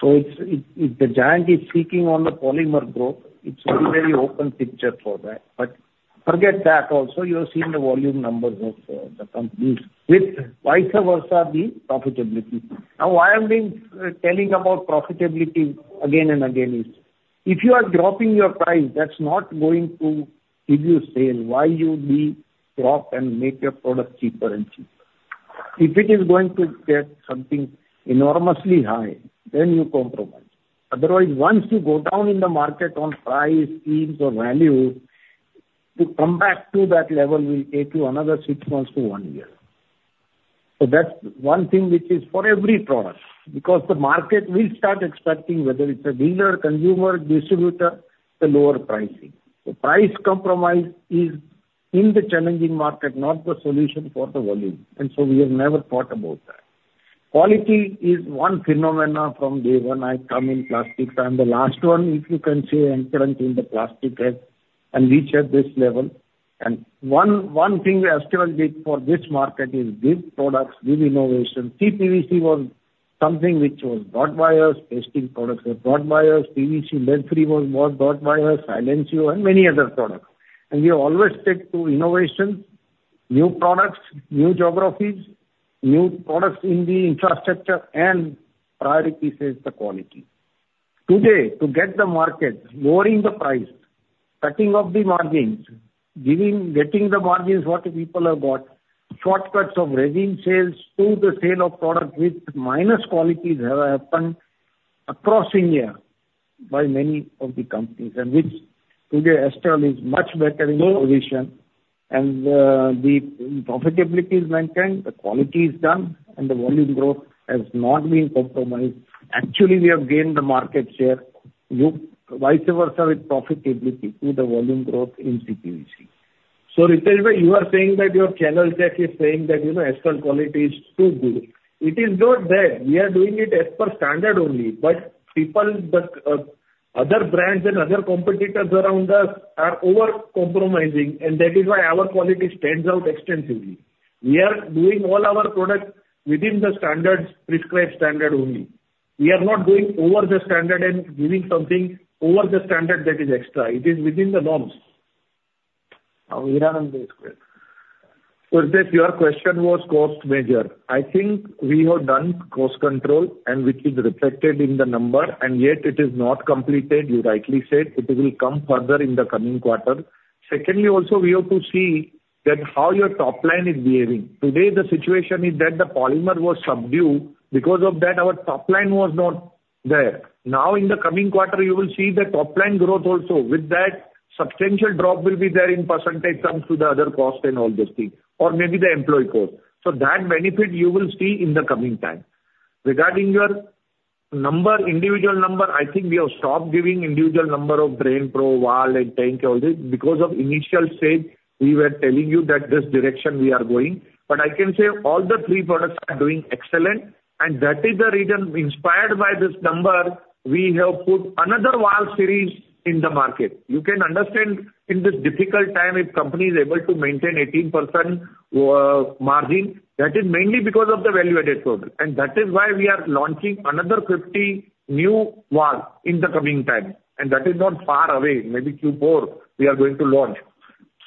So if the giant is shrinking on the polymer growth, it's a very open picture for that. But forget that also. You have seen the volume numbers of the companies with vis-a-vis the profitability. Now, why I'm telling about profitability again and again is if you are dropping your price, that's not going to give you sale. Why you be dropped and make your product cheaper and cheaper? If it is going to get something enormously high, then you compromise. Otherwise, once you go down in the market on price schemes or value, to come back to that level will take you another six months to one year. So that's one thing which is for every product because the market will start expecting whether it's a dealer, consumer, distributor, the lower pricing. So price compromise is in the challenging market, not the solution for the volume. And so we have never thought about that. Quality is one phenomenon from day one I come in plastics. I'm the last one, if you can say, entrant in the plastic and reach at this level. And one thing Astral did for this market is give products, give innovation. O-PVC was something which was brought by us. Pasting products were brought by us. PVC lead-free was brought by us. Silencio and many other products. And we always stick to innovation, new products, new geographies, new products in the infrastructure, and priority says the quality. Today, to get the market lowering the price, cutting of the margins, getting the margins what people have got, shortcuts of regime sales to the sale of products with minus qualities have happened across India by many of the companies. And which today, Astral is much better in the position. And the profitability is maintained. The quality is done. And the volume growth has not been compromised. Actually, we have gained the market share. Vice versa with profitability to the volume growth in CPVC. So Riteshbhai, you are saying that your channel tech is saying that Astral quality is too good. It is not that. We are doing it as per standard only. But people, other brands and other competitors around us are over-compromising. And that is why our quality stands out extensively. We are doing all our products within the standards, prescribed standard only. We are not going over the standard and giving something over the standard that is extra. It is within the norms. Hiranandji. So Riteshbhai, your question was cost measure. I think we have done cost control and which is reflected in the number, and yet it is not completed. You rightly said it will come further in the coming quarter. Secondly, also we have to see that how your top line is behaving. Today, the situation is that the polymer was subdued. Because of that, our top line was not there. Now, in the coming quarter, you will see the top line growth also. With that, substantial drop will be there in percentage comes to the other cost and all those things. Or maybe the employee cost. So that benefit you will see in the coming time. Regarding your number, individual number, I think we have stopped giving individual number of DrainPro, valve, and tank all this because of initial stage. We were telling you that this direction we are going. But I can say all the three products are doing excellent. And that is the reason inspired by this number, we have put another valve series in the market. You can understand in this difficult time if company is able to maintain 18% margin. That is mainly because of the value-added product. And that is why we are launching another 50 new valves in the coming time. And that is not far away. Maybe Q4 we are going to launch.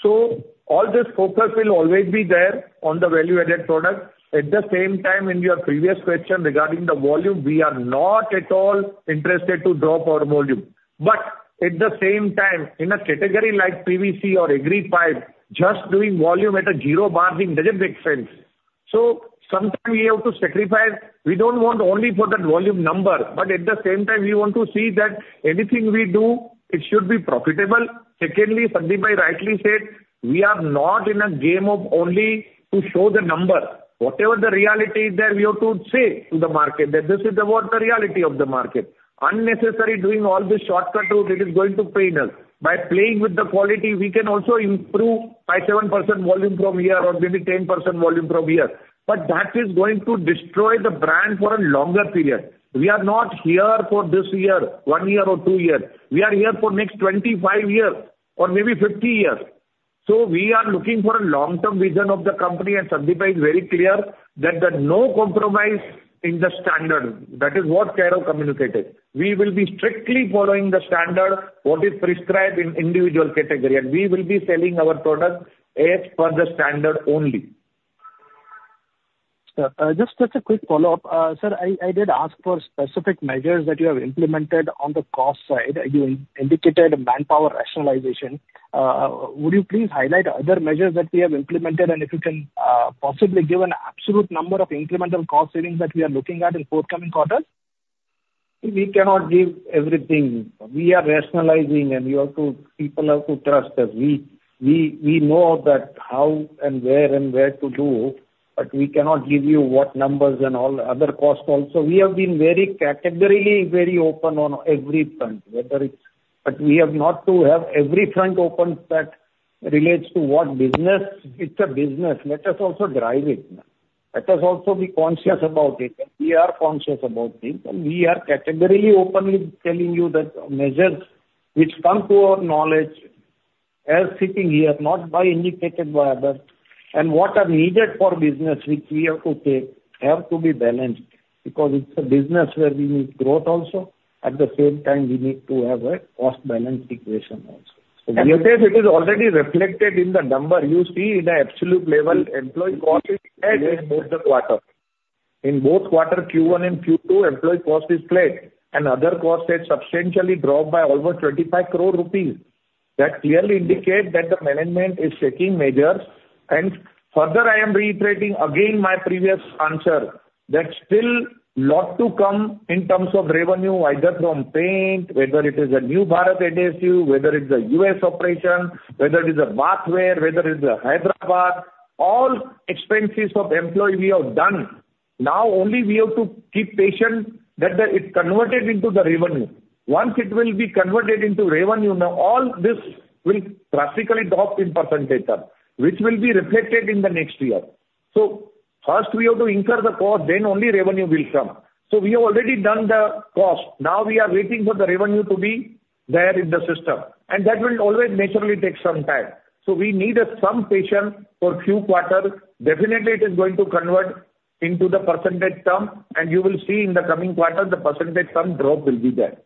So all this focus will always be there on the value-added product. At the same time, in your previous question regarding the volume, we are not at all interested to drop our volume. But at the same time, in a category like PVC or agri pipe, just doing volume at a zero-margin thing doesn't make sense. So sometimes we have to sacrifice. We don't want only for that volume number. But at the same time, we want to see that anything we do, it should be profitable. Secondly, Sandeepbhai rightly said, we are not in a game of only to show the number. Whatever the reality is there, we have to say to the market that this is the reality of the market. Unnecessary doing all this shortcut route, it is going to pain us. By playing with the quality, we can also improve by 7% volume from here or maybe 10% volume from here. But that is going to destroy the brand for a longer period. We are not here for this year, one year or two years. We are here for next 25 years or maybe 50 years. So we are looking for a long-term vision of the company. And Sandeepbhai is very clear that there is no compromise in the standard. That is what Kairav communicated. We will be strictly following the standard what is prescribed in individual category. And we will be selling our product as per the standard only. Sir, just a quick follow-up. Sir, I did ask for specific measures that you have implemented on the cost side. You indicated manpower rationalization. Would you please highlight other measures that we have implemented and if you can possibly give an absolute number of incremental cost savings that we are looking at in forthcoming quarters? We cannot give everything. We are rationalizing and people have to trust us. We know how and where and where to do. But we cannot give you what numbers and all other costs also. We have been very categorically very open on every front. But we have not to have every front open that relates to what business. It's a business. Let us also drive it. Let us also be conscious about it. We are conscious about things. And we are categorically openly telling you that measures which come to our knowledge as sitting here, not by indicated by others. What is needed for business, which we have to take, have to be balanced because it's a business where we need growth also. At the same time, we need to have a cost balance equation also. So Riteshbhai, it is already reflected in the number. You see in the absolute level, employee cost is flat in both the quarter. In both quarter Q1 and Q2, employee cost is flat. And other costs have substantially dropped by almost 25 crore rupees. That clearly indicates that the management is taking measures. And further, I am reiterating again my previous answer that still a lot to come in terms of revenue, either from paint, whether it is a New Bharat EDSU, whether it's a U.S. operation, whether it is a bathware, whether it is a Hyderabad. All expenses of employee we have done. Now we only have to be patient that it's converted into the revenue. Once it will be converted into revenue, now all this will drastically drop in percentage, which will be reflected in the next year. So first we have to incur the cost, then only revenue will come. So we have already done the cost. Now we are waiting for the revenue to be there in the system. And that will always naturally take some time. So we need some patience for a few quarters. Definitely, it is going to convert into the percentage term. And you will see in the coming quarter, the percentage term drop will be there.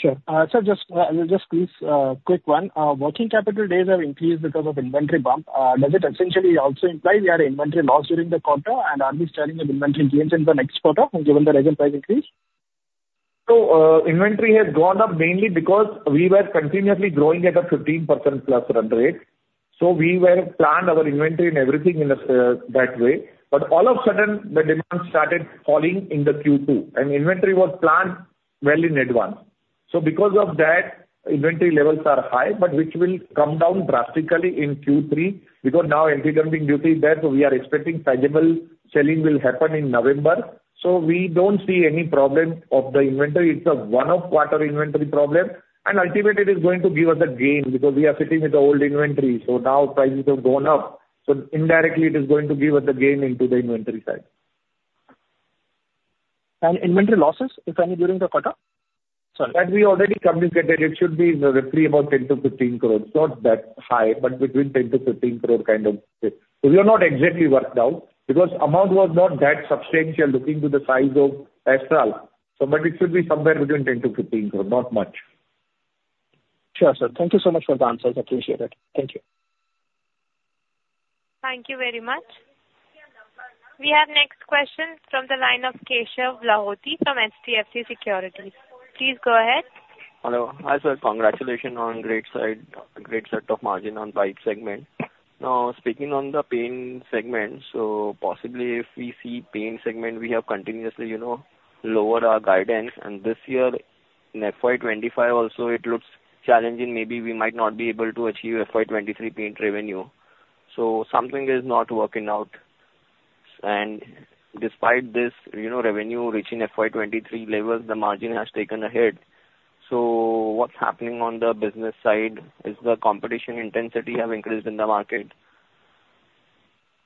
Sure. Sir, just a quick one. Working capital days have increased because of inventory bump. Does it essentially also imply we are in inventory loss during the quarter? Are we starting with inventory gains in the next quarter given the recent price increase? Inventory has gone up mainly because we were continuously growing at a 15% plus run rate. We were planned our inventory and everything in that way. All of a sudden, the demand started falling in the Q2. Inventory was planned well in advance. Because of that, inventory levels are high, but which will come down drastically in Q3 because now anti-dumping duty is there. We are expecting sizable selling will happen in November. We don't see any problem of the inventory. It's a one-off quarter inventory problem. Ultimately, it is going to give us a gain because we are sitting with the old inventory. Now prices have gone up. Indirectly, it is going to give us a gain on the inventory side. And inventory losses, if any, during the quarter? Sorry. That, we already communicated, it should be roughly about 10 crore-15 crore. Not that high, but between 10-15 crore kind of thing. So we are not exactly worked out because amount was not that substantial looking to the size of Astral. But it should be somewhere between 10 crore-15 crore, not much. Sure, sir. Thank you so much for the answers. Appreciate it. Thank you. Thank you very much. We have next question from the line of Keshav Lahoti from HDFC Securities. Please go ahead. Hello. Hi, sir. Congratulations on great set of margins on pipes segment. Now, speaking on the paint segment, so possibly if we see paint segment, we have continuously lowered our guidance. And this year, FY25 also, it looks challenging. Maybe we might not be able to achieve FY23 paint revenue. So something is not working out. And despite this revenue reaching FY23 levels, the margin has taken a hit. So what's happening on the business side is the competition intensity have increased in the market.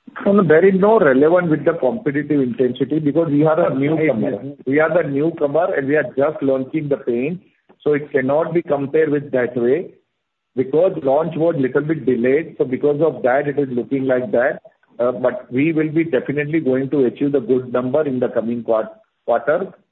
It's not very relevant with the competitive intensity because we are a newcomer. We are the newcomer, and we are just launching the paint. So it cannot be compared with that way because launch was a little bit delayed. So because of that, it is looking like that. But we will be definitely going to achieve the good number in the coming quarter.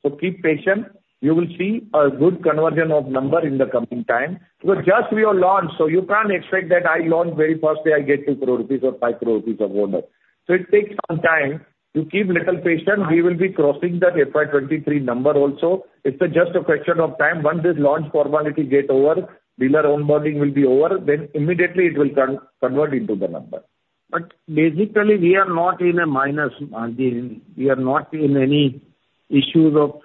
So keep patient. You will see a good conversion of number in the coming time. Because just we are launched. So you can't expect that I launch very first day, I get 2 crore rupees or 5 crore rupees of order. So it takes some time. You keep little patience. We will be crossing that FY23 number also. It's just a question of time. Once this launch formality gets over, dealer onboarding will be over, then immediately it will convert into the number. But basically, we are not in a minus margin. We are not in any issues of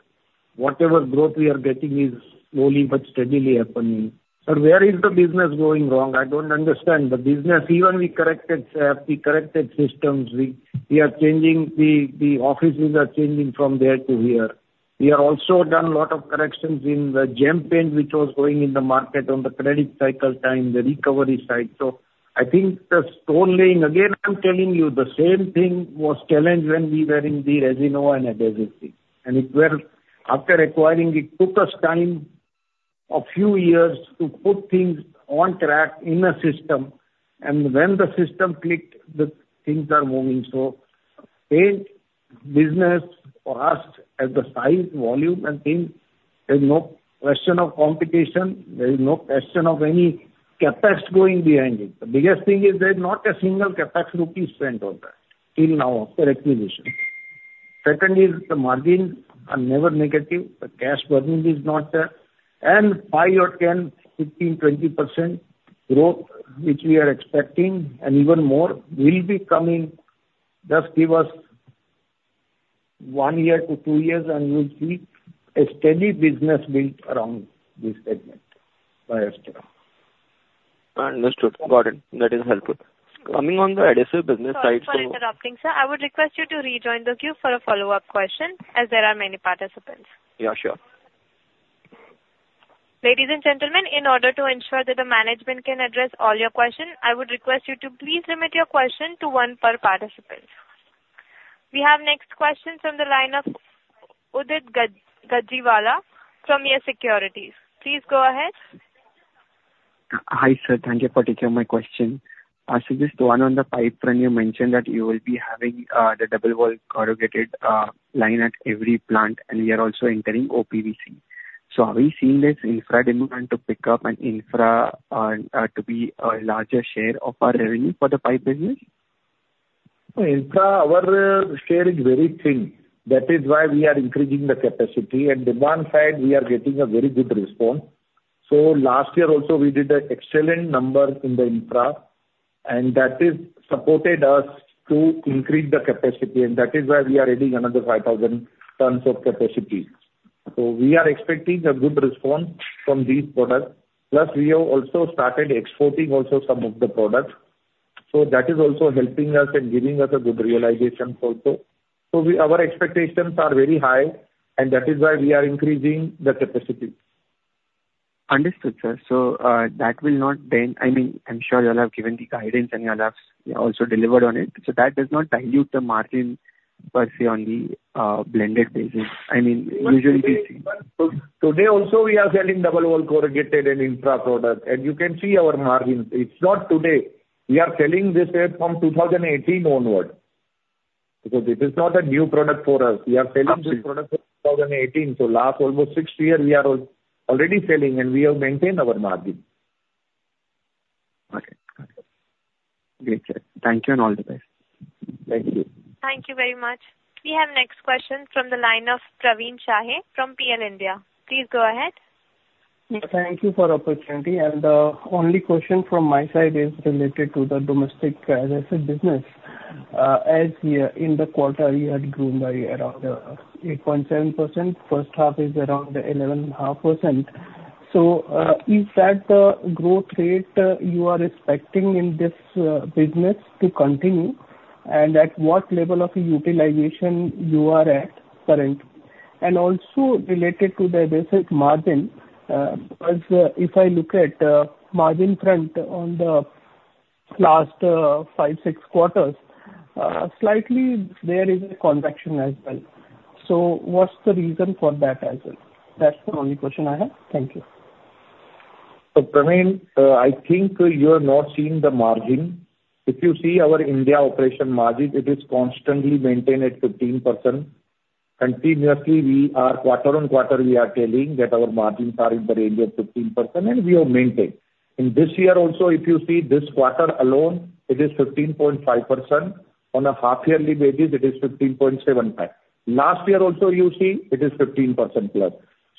whatever growth we are getting is slowly but steadily happening. But where is the business going wrong? I don't understand. The business, even we corrected SAP, we corrected systems. We are changing the offices are changing from there to here. We have also done a lot of corrections in the Gem Paints which was going in the market on the credit cycle time, the recovery side. So I think the stone laying, again, I'm telling you, the same thing was challenged when we were in the Resinova and adhesives. After acquiring, it took us time of a few years to put things on track in a system. When the system clicked, the things are moving. Paint business for us at the size, volume, and things, there is no question of competition. There is no question of any CapEx going behind it. The biggest thing is there is not a single CapEx rupee spent on that till now after acquisition. Second is the margin are never negative. The cash burning is not there. 5% or 10%, 15%, 20% growth which we are expecting and even more will be coming. Just give us one year to two years and we'll see a steady business built around this segment by Astral. Understood. Got it. That is helpful. Coming on the adhesive business side. I'm sorry for interrupting, sir. I would request you to rejoin the queue for a follow-up question as there are many participants. Yeah, sure. Ladies and gentlemen, in order to ensure that the management can address all your questions, I would request you to please limit your question to one per participant. We have next question from the line of Udit Gajiwala from YES Securities. Please go ahead. Hi, sir. Thank you for taking my question. Sir, this one on the pipe front, you mentioned that you will be having the double-wall corrugated line at every plant, and we are also entering OPVC. So are we seeing this infra demand to pick up and infra to be a larger share of our revenue for the pipe business? Infra, our share is very thin. That is why we are increasing the capacity. And on one side, we are getting a very good response. So last year also, we did an excellent number in the infra, and that supported us to increase the capacity. And that is why we are adding another 5,000 tons of capacity. So we are expecting a good response from these products. Plus, we have also started exporting also some of the products. So that is also helping us and giving us a good realization also. So our expectations are very high, and that is why we are increasing the capacity. Understood, sir. So that will not bend. I mean, I'm sure you all have given the guidance, and you all have also delivered on it. So that does not dilute the margin per se on the blended basis. I mean, usually we see. Today also, we are selling double-wall corrugated and infra product. And you can see our margin. It's not today. We are selling this from 2018 onward. This is not a new product for us. We are selling this product from 2018. Last almost six years, we are already selling, and we have maintained our margin. Got it. Got it. Great, sir. Thank you and all the best. Thank you. Thank you very much. We have next question from the line of Praveen Sahay from PL India. Please go ahead. Thank you for the opportunity. The only question from my side is related to the domestic adhesive business. As in the quarter, we had grown by around 8.7%. First half is around 11.5%. Is that the growth rate you are expecting in this business to continue? And at what level of utilization you are at currently? And also related to the adhesive margin, if I look at margin front on the last five, six quarters, slightly there is a contraction as well. So what's the reason for that as well? That's the only question I have. Thank you. So Praveen, I think you are not seeing the margin. If you see our India operation margin, it is constantly maintained at 15%. Continuously, we are quarter on quarter, we are telling that our margins are in the range of 15%, and we have maintained. In this year also, if you see this quarter alone, it is 15.5%. On a half-yearly basis, it is 15.75%. Last year also, you see, it is 15%+.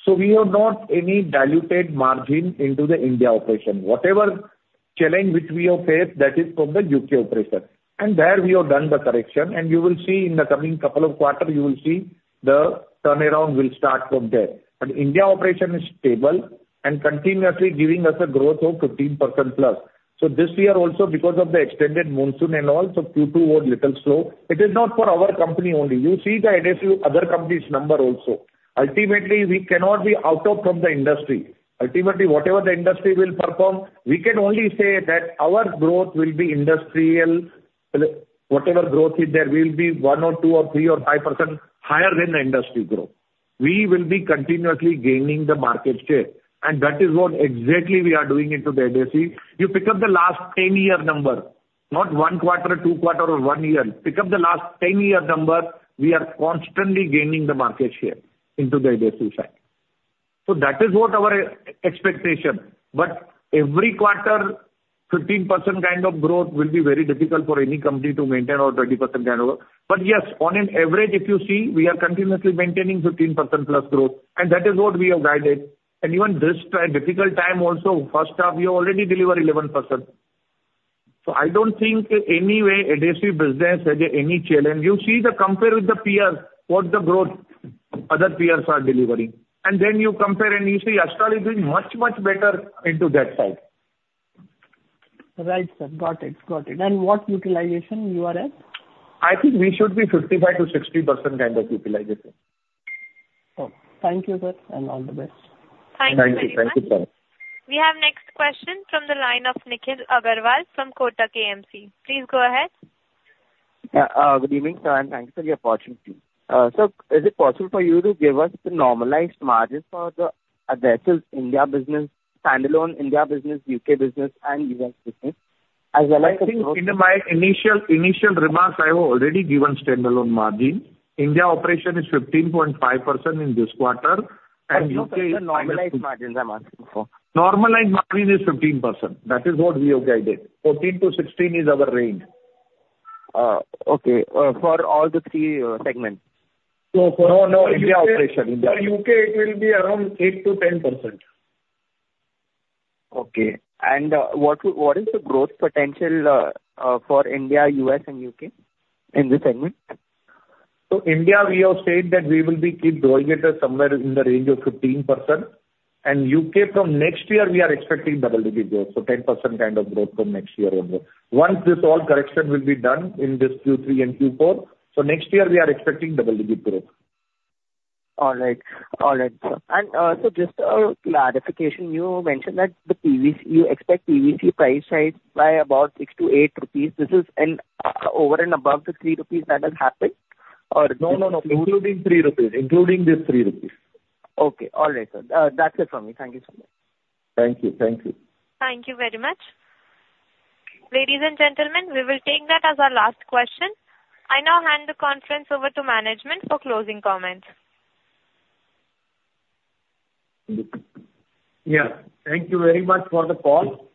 So we have not any diluted margin into the India operation. Whatever challenge which we have faced, that is from the U.K. operation. And there we have done the correction. And you will see in the coming couple of quarters, you will see the turnaround will start from there. India operation is stable and continuously giving us a growth of 15% plus. This year also, because of the extended monsoon and all, Q2 was a little slow. It is not for our company only. You see the adhesive other company's number also. Ultimately, we cannot be out of from the industry. Ultimately, whatever the industry will perform, we can only say that our growth will be industrial. Whatever growth is there, we will be one or two or three or 5% higher than the industry growth. We will be continuously gaining the market share. And that is what exactly we are doing into the adhesive. You pick up the last 10-year number, not one quarter, two quarter, or one year. Pick up the last 10-year number, we are constantly gaining the market share into the adhesive side. That is what our expectation. But every quarter, 15% kind of growth will be very difficult for any company to maintain or 20% kind of growth. But yes, on an average, if you see, we are continuously maintaining 15% plus growth. And that is what we have guided. And even this difficult time also, first half, we already delivered 11%. So I don't think any way adhesive business has any challenge. You see the compare with the peers, what the growth other peers are delivering. And then you compare and you see Astral is doing much, much better into that side. Right, sir. Got it. Got it. And what utilization you are at? I think we should be 55%-60% kind of utilization. Oh, thank you, sir, and all the best. Thank you. Thank you, sir. Thank you. We have next question from the line of Nikhil Agrawal from Kotak AMC. Please go ahead. Good evening, sir, and thank you for the opportunity. Sir, is it possible for you to give us the normalized margin for the adhesive India business, standalone India business, U.K. business, and U.S. business? As well, I think in my initial remarks, I have already given standalone margin. India operation is 15.5% in this quarter, and U.K. is normalized margin. I'm asking for normalized margin is 15%. That is what we have guided. 14%-16% is our range. Okay. For all the three segments? No, no, India operation. For U.K., it will be around 8%-10%. Okay. What is the growth potential for India, U.S., and U.K. in this segment? India, we have said that we will keep growing at somewhere in the range of 15%. U.K., from next year, we are expecting double-digit growth. 10% kind of growth from next year onward. Once this all correction will be done in this Q3 and Q4, so next year, we are expecting double-digit growth. All right. All right, sir. And so just a clarification, you mentioned that you expect PVC price rise by about 6-8 rupees. This is over and above the 3 rupees that has happened? Or is it? No, no, no, including 3 rupees. Including this 3 rupees. Okay. All right, sir. That's it from me. Thank you so much. Thank you. Thank you. Thank you very much. Ladies and gentlemen, we will take that as our last question. I now hand the conference over to management for closing comments. Yeah. Thank you very much for the call.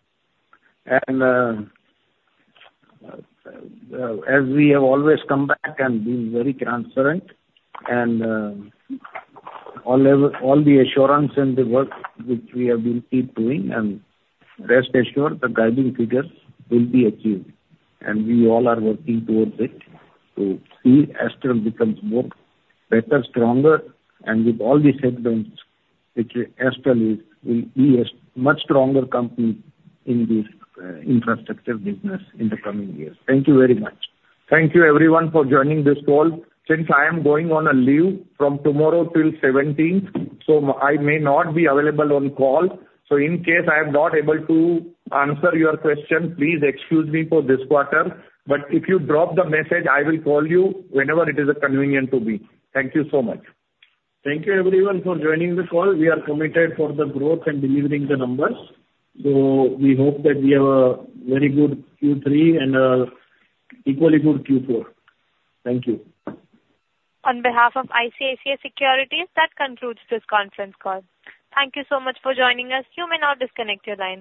As we have always come back and been very transparent, and all the assurance and the work which we have been keep doing, and rest assured, the guiding figures will be achieved. We all are working towards it to see Astral becomes better, stronger, and with all these segments, Astral will be a much stronger company in this infrastructure business in the coming years. Thank you very much. Thank you, everyone, for joining this call. Since I am going on a leave from tomorrow till 17th, so I may not be available on call. In case I am not able to answer your question, please excuse me for this quarter. If you drop the message, I will call you whenever it is convenient to be. Thank you so much. Thank you, everyone, for joining the call. We are committed for the growth and delivering the numbers. So we hope that we have a very good Q3 and equally good Q4. Thank you. On behalf of ICICI Securities, that concludes this conference call. Thank you so much for joining us. You may now disconnect your line.